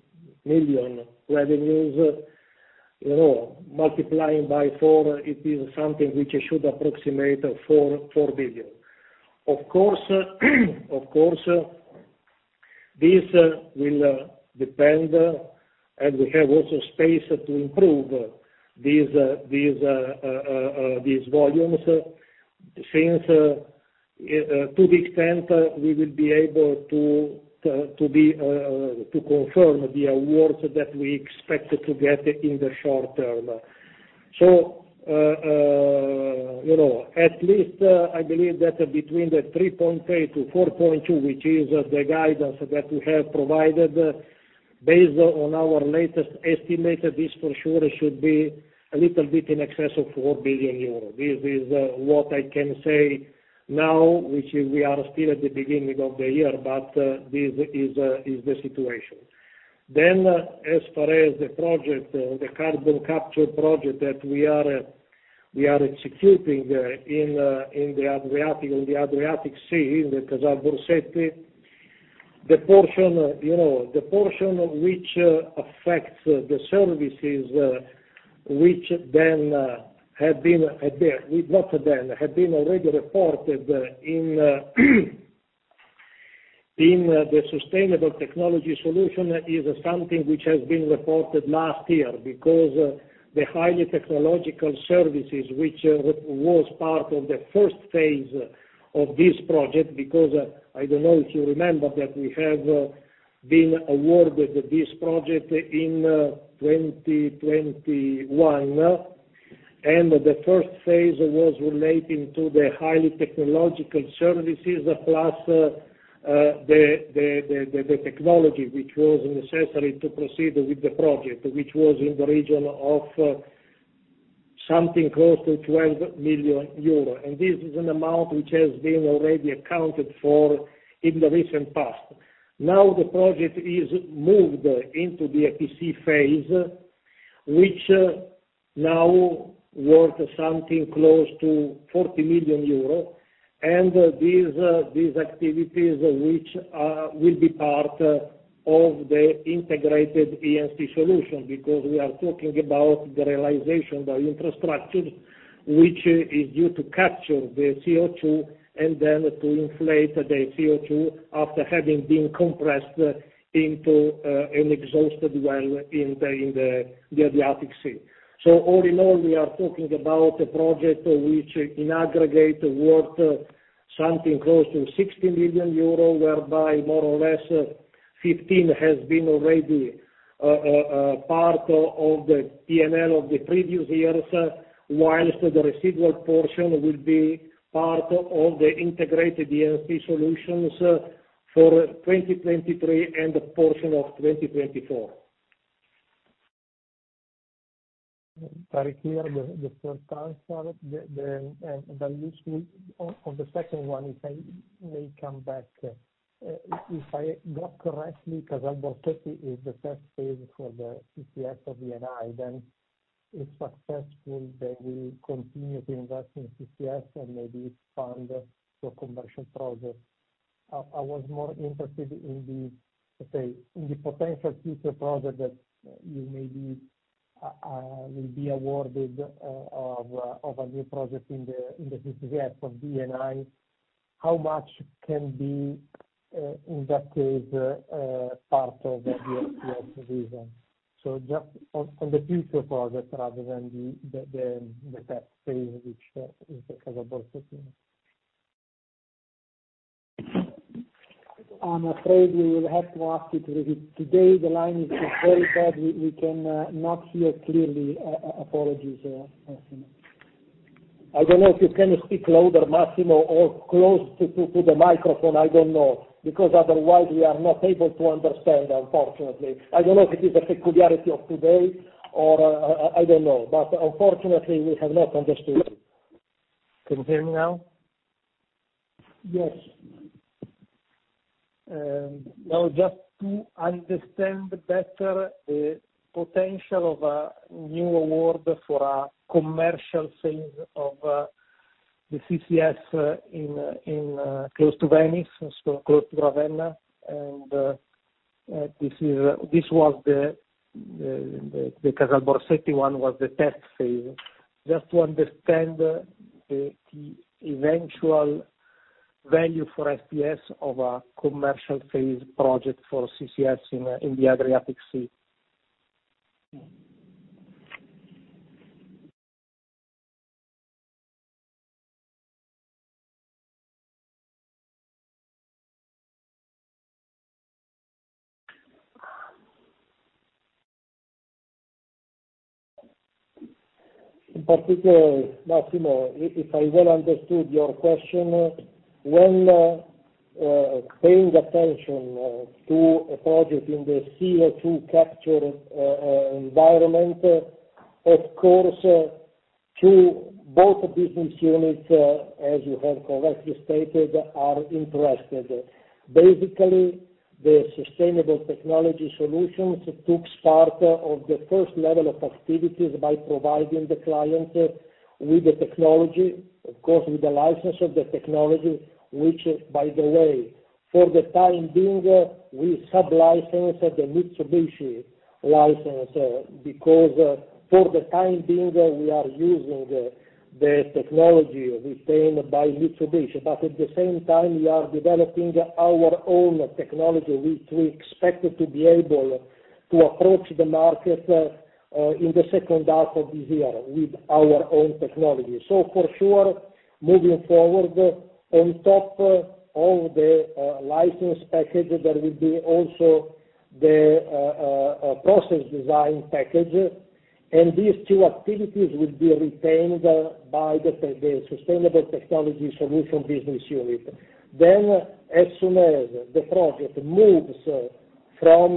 million revenues, you know, multiplying by four, it is something which should approximate 4 billion. Of course, this will depend, and we have also space to improve these volumes, since to the extent we will be able to be to confirm the awards that we expect to get in the short term. You know, at least, I believe that between the 3.8 billion-4.2 billion, which is the guidance that we have provided based on our latest estimate, this for sure should be a little bit in excess of 4 billion euros. This is what I can say now, which is we are still at the beginning of the year, this is the situation. As far as the project, the carbon capture project that we are executing in the Adriatic Sea, in the Casal Borsetti. The portion, you know, of which affects the services, which had been already reported in Sustainable Technology Solutions is something which has been reported last year. The highly technological services, which was part of the first phase of this project, because I don't know if you remember that we have been awarded this project in 2021. The first phase was relating to the highly technological services, plus the technology which was necessary to proceed with the project, which was in the region of something close to 12 million euro. This is an amount which has been already accounted for in the recent past. Now the project is moved into the EPC phase, which now worth something close to 40 million euros. These activities which will be part of the integrated ESP solution, because we are talking about the realization, the infrastructure, which is due to capture the CO2 and then to inflate the CO2 after having been compressed into an exhausted well in the Adriatic Sea. All in all, we are talking about a project which in aggregate worth something close to 60 million euro, whereby more or less 15 has been already part of the P&L of the previous years, whilst the residual portion will be part of the integrated ESP solutions for 2023 and a portion of 2024. Very clear. The, the first answer. The, the useful... On the second one, if I may come back. If I got correctly, Casal Borsetti is the first phase for the CCS of Eni, if successful, they will continue to invest in CCS and maybe expand to a commercial project. I was more interested in the, let's say, in the potential future project that you will be awarded of a new project in the CCS of Eni. How much can be in that case part of the overall division? Just on the future project rather than the first phase, which is the Casal Borsetti. I'm afraid we will have to ask you to repeat. Today, the line is just very bad. We can not hear clearly. Apologies, Massimo. I don't know if you can speak louder, Massimo, or close to the microphone, I don't know, because otherwise we are not able to understand, unfortunately. I don't know if it is a peculiarity of today or, I don't know. Unfortunately, we have not understood you. Can you hear me now? Yes. Now, just to understand better the potential of a new award for a commercial phase of the CCS in close to Venice, so close to Ravenna. This is, this was the Casal Borsetti one was the test phase. Just to understand the eventual value for FPS of a commercial phase project for CCS in the Adriatic Sea. In particular, Massimo, if I well understood your question, when paying attention to a project in the CO2 capture environment, of course, To both business units, as you have correctly stated, are interested. Basically, the Sustainable Technology Solutions took start of the first level of activities by providing the client with the technology, of course, with the license of the technology, which by the way, for the time being, we sub-license the Mitsubishi license, because for the time being, we are using the technology retained by Mitsubishi. At the same time, we are developing our own technology, which we expect to be able to approach the market in the second half of this year with our own technology. For sure, moving forward on top of the license package, there will be also the process design package, and these two activities will be retained by the Sustainable Technology Solutions business unit. As soon as the project moves from,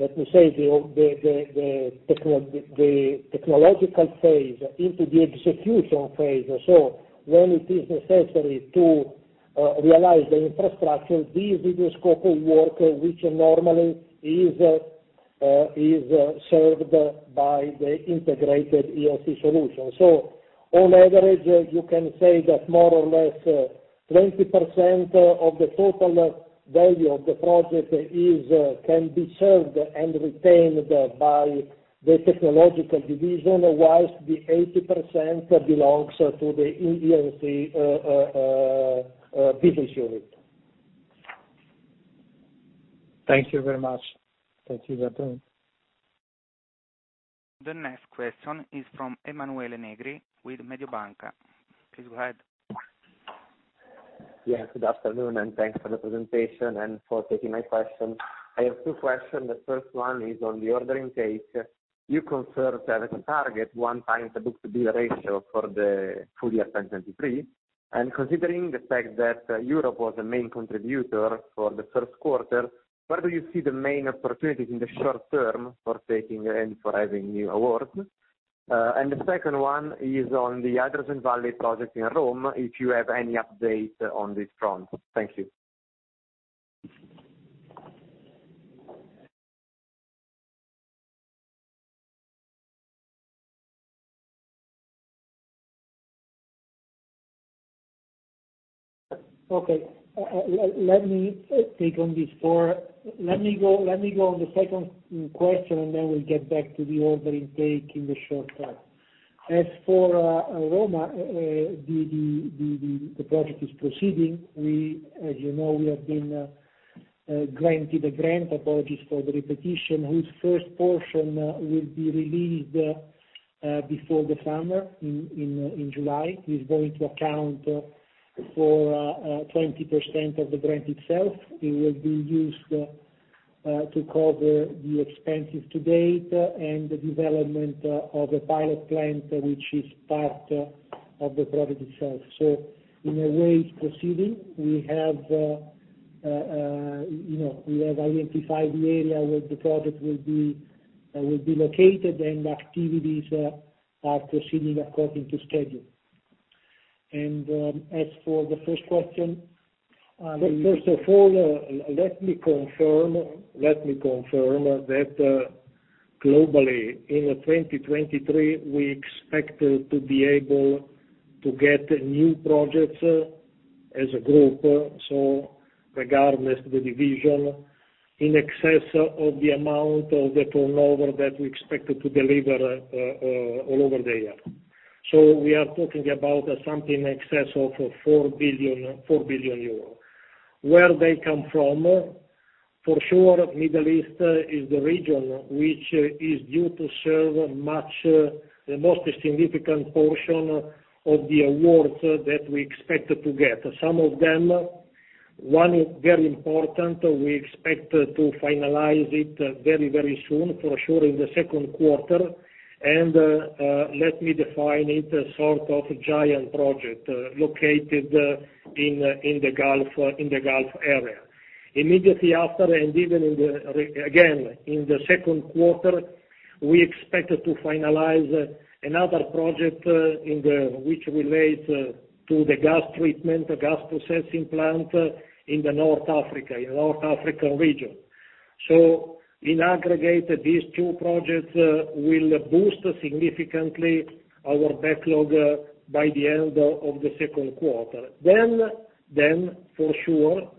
let me say, the technological phase into the execution phase, so when it is necessary to realize the infrastructure, this is the scope of work which normally is served by the Integrated E&C Solutions. On average, you can say that more or less 20% of the total value of the project can be served and retained by the technological division, whilst the 80% belongs to the E&C business unit. Thank you very much. Thank you. Bye. The next question is from Emanuele Negri with Mediobanca. Please go ahead. Good afternoon, and thanks for the presentation and for taking my question. I have two questions. The first one is on the ordering page. You confirmed as a target 1x the book-to-bill ratio for the full year 2023. Considering the fact that Europe was the main contributor for the first quarter, where do you see the main opportunities in the short term for taking and for having new awards? The second one is on the Hydrogen Valley project in Rome, if you have any update on this front. Thank you. Okay. Let me take on this four. Let me go on the second question, and then we'll get back to the ordering take in the short term. As for Rome, the project is proceeding. We, as you know, we have been granted a grant, apologies for the repetition, whose first portion will be released before the summer in July, is going to account for 20% of the grant itself. It will be used to cover the expenses to date and the development of a pilot plant, which is part of the project itself. In a way, it's proceeding. We have, you know, we have identified the area where the project will be located, and activities are proceeding according to schedule. As for the first question, first of all, let me confirm that, globally in 2023, we expect to be able to get new projects as a group, so regardless of the division, in excess of the amount of the turnover that we expect to deliver, all over the year. We are talking about something in excess of 4 billion euros. Where they come from? For sure, Middle East is the region which is due to serve much, the most significant portion of the awards that we expect to get. Some of them, one is very important, we expect to finalize it very, very soon, for sure in the second quarter. Let me define it, a sort of giant project located in the Gulf, in the Gulf area. Immediately after, and even again, in the second quarter, we expect to finalize another project which relates to the gas treatment, gas processing plant in the North Africa, in North African region. In aggregate, these two projects will boost significantly our backlog by the end of the second quarter. For sure,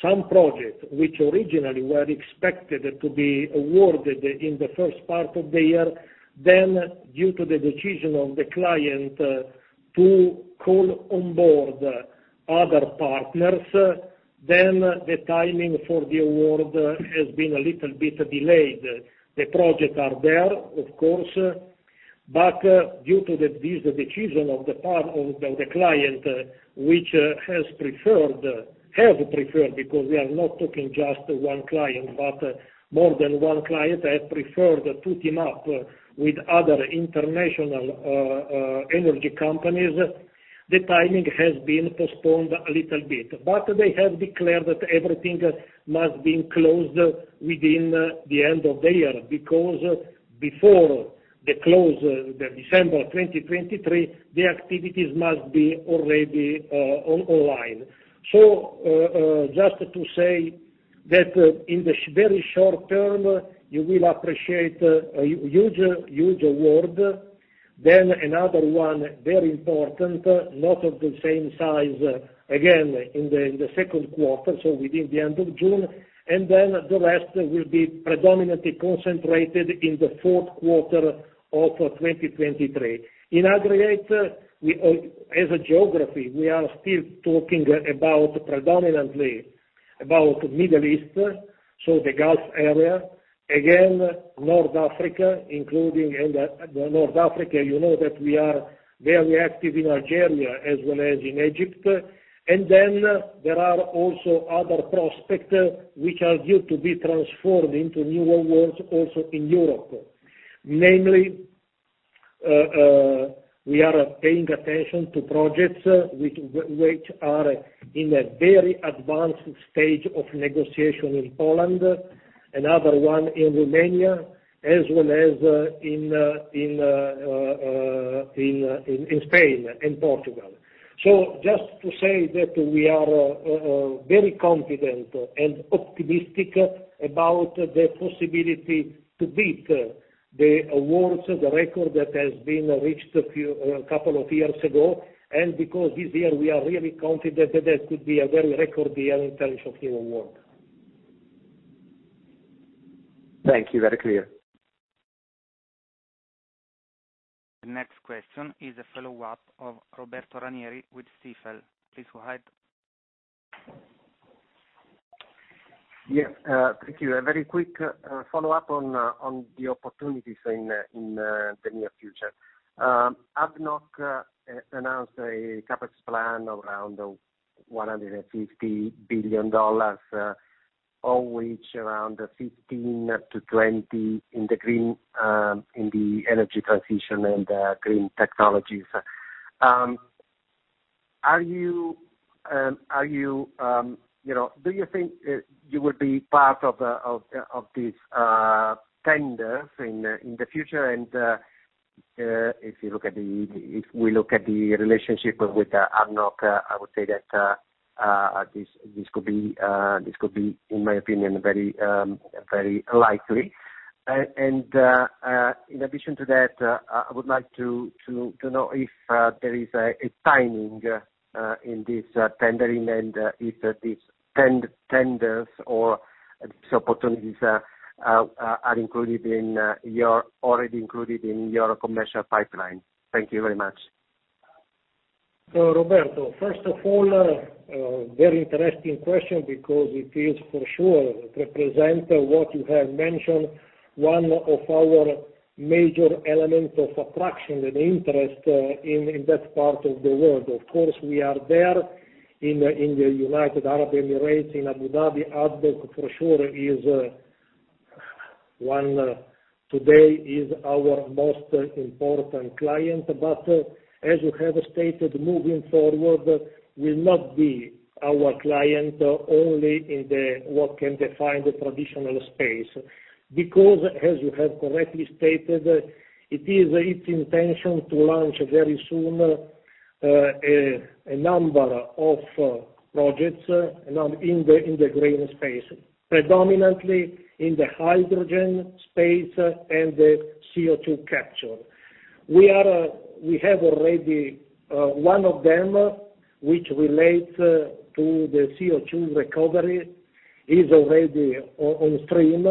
some projects which originally were expected to be awarded in the first part of the year, then due to the decision of the client to call on board other partners, then the timing for the award has been a little bit delayed. The projects are there, of course, due to this decision of the part of the client, have preferred, because we are not talking just one client, but more than one client, have preferred to team up with other international energy companies. The timing has been postponed a little bit. They have declared that everything must be closed within the end of the year, because before the close, the December 2023, the activities must be already online. just to say that in the very short term, you will appreciate a huge award. Another one, very important, not of the same size, again, in the second quarter, so within the end of June. The rest will be predominantly concentrated in the fourth quarter of 2023. In aggregate, as a geography, we are still talking predominantly about Middle East, so the Gulf area. North Africa, you know that we are very active in Algeria as well as in Egypt. There are also other prospects which are due to be transformed into new awards also in Europe. Namely, we are paying attention to projects which are in a very advanced stage of negotiation in Poland, another one in Romania, as well as in Spain and Portugal. Just to say that we are very confident and optimistic about the possibility to beat the awards, the record that has been reached a few, couple of years ago. Because this year we are really confident that it could be a very record year in terms of new award. Thank you. Very clear. The next question is a follow-up of Roberto Ranieri with Stifel. Please go ahead. Yes. Thank you. A very quick follow-up on the opportunities in the near future. ADNOC announced a CapEx plan of around $150 billion, of which around $15 billion-$20 billion in the green, in the energy transition and green technologies. You know, do you think you would be part of this tender in the future? If we look at the relationship with ADNOC, I would say that this could be, in my opinion, very likely. In addition to that, I would like to know if there is a timing in this tendering and if these tenders or these opportunities are included in your already included in your commercial pipeline? Thank you very much. Roberto, first of all, a very interesting question because it is for sure represent what you have mentioned, one of our major element of attraction and interest in that part of the world. Of course, we are there in the United Arab Emirates, in Abu Dhabi. ADNOC, for sure, today is our most important client, as you have stated, moving forward will not be our client only in the, what can define the traditional space. As you have correctly stated, it is its intention to launch very soon, a number of projects in the green space, predominantly in the hydrogen space and the CO2 capture. We have already one of them, which relates to the CO2 recovery, is already on stream.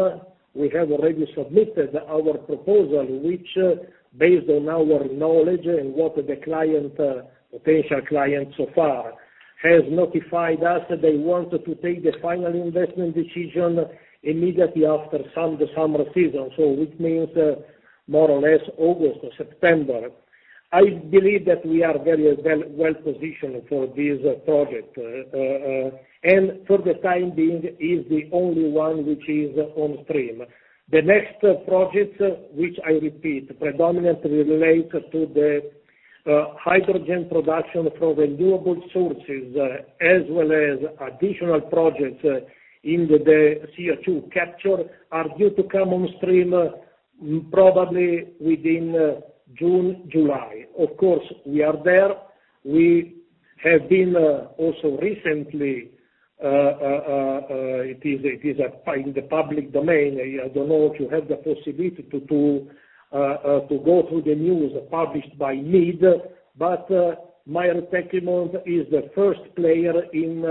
We have already submitted our proposal, which based on our knowledge and what the client, potential client so far has notified us that they want to take the final investment decision immediately after the summer season. Which means, more or less August or September. I believe that we are very well positioned for this project. For the time being, is the only one which is on stream. The next projects, which I repeat predominantly relate to the hydrogen production from renewable sources as well as additional projects in the CO2 capture, are due to come on stream probably within June, July. Of course, we are there. We have been also recently. It is in the public domain. I don't know if you have the possibility to go through the news published by MEED, but Maire Tecnimont is the first player in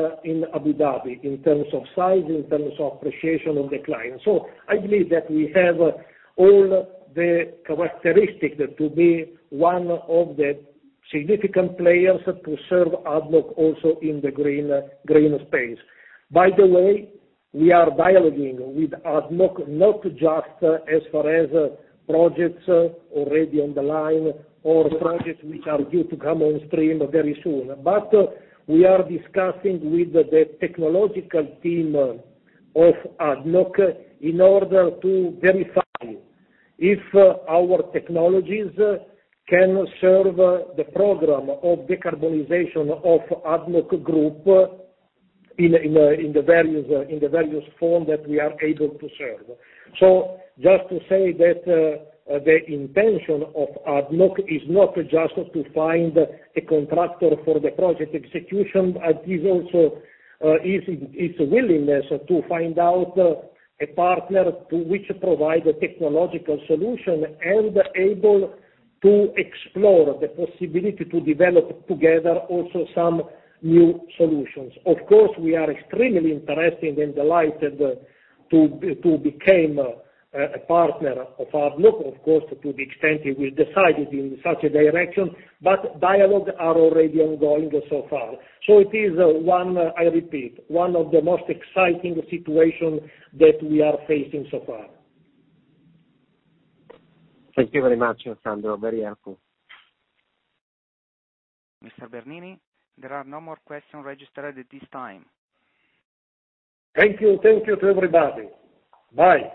Abu Dhabi in terms of size, in terms of appreciation of the client. I believe that we have all the characteristics to be one of the significant players to serve ADNOC also in the green space. By the way, we are dialoging with ADNOC, not just as far as projects already on the line or projects which are due to come on stream very soon. We are discussing with the technological team of ADNOC in order to verify if our technologies can serve the program of decarbonization of ADNOC group in the various form that we are able to serve. Just to say that the intention of ADNOC is not just to find a contractor for the project execution, it is also willingness to find out a partner to which provide a technological solution and able to explore the possibility to develop together also some new solutions. Of course, we are extremely interested and delighted to be, to become a partner of ADNOC, of course, to the extent it will decide it in such a direction, but dialogue are already ongoing so far. It is one of the most exciting situation that we are facing so far. Thank you very much, Alessandro. Very helpful. Mr. Bernini, there are no more questions registered at this time. Thank you. Thank you to everybody. Bye.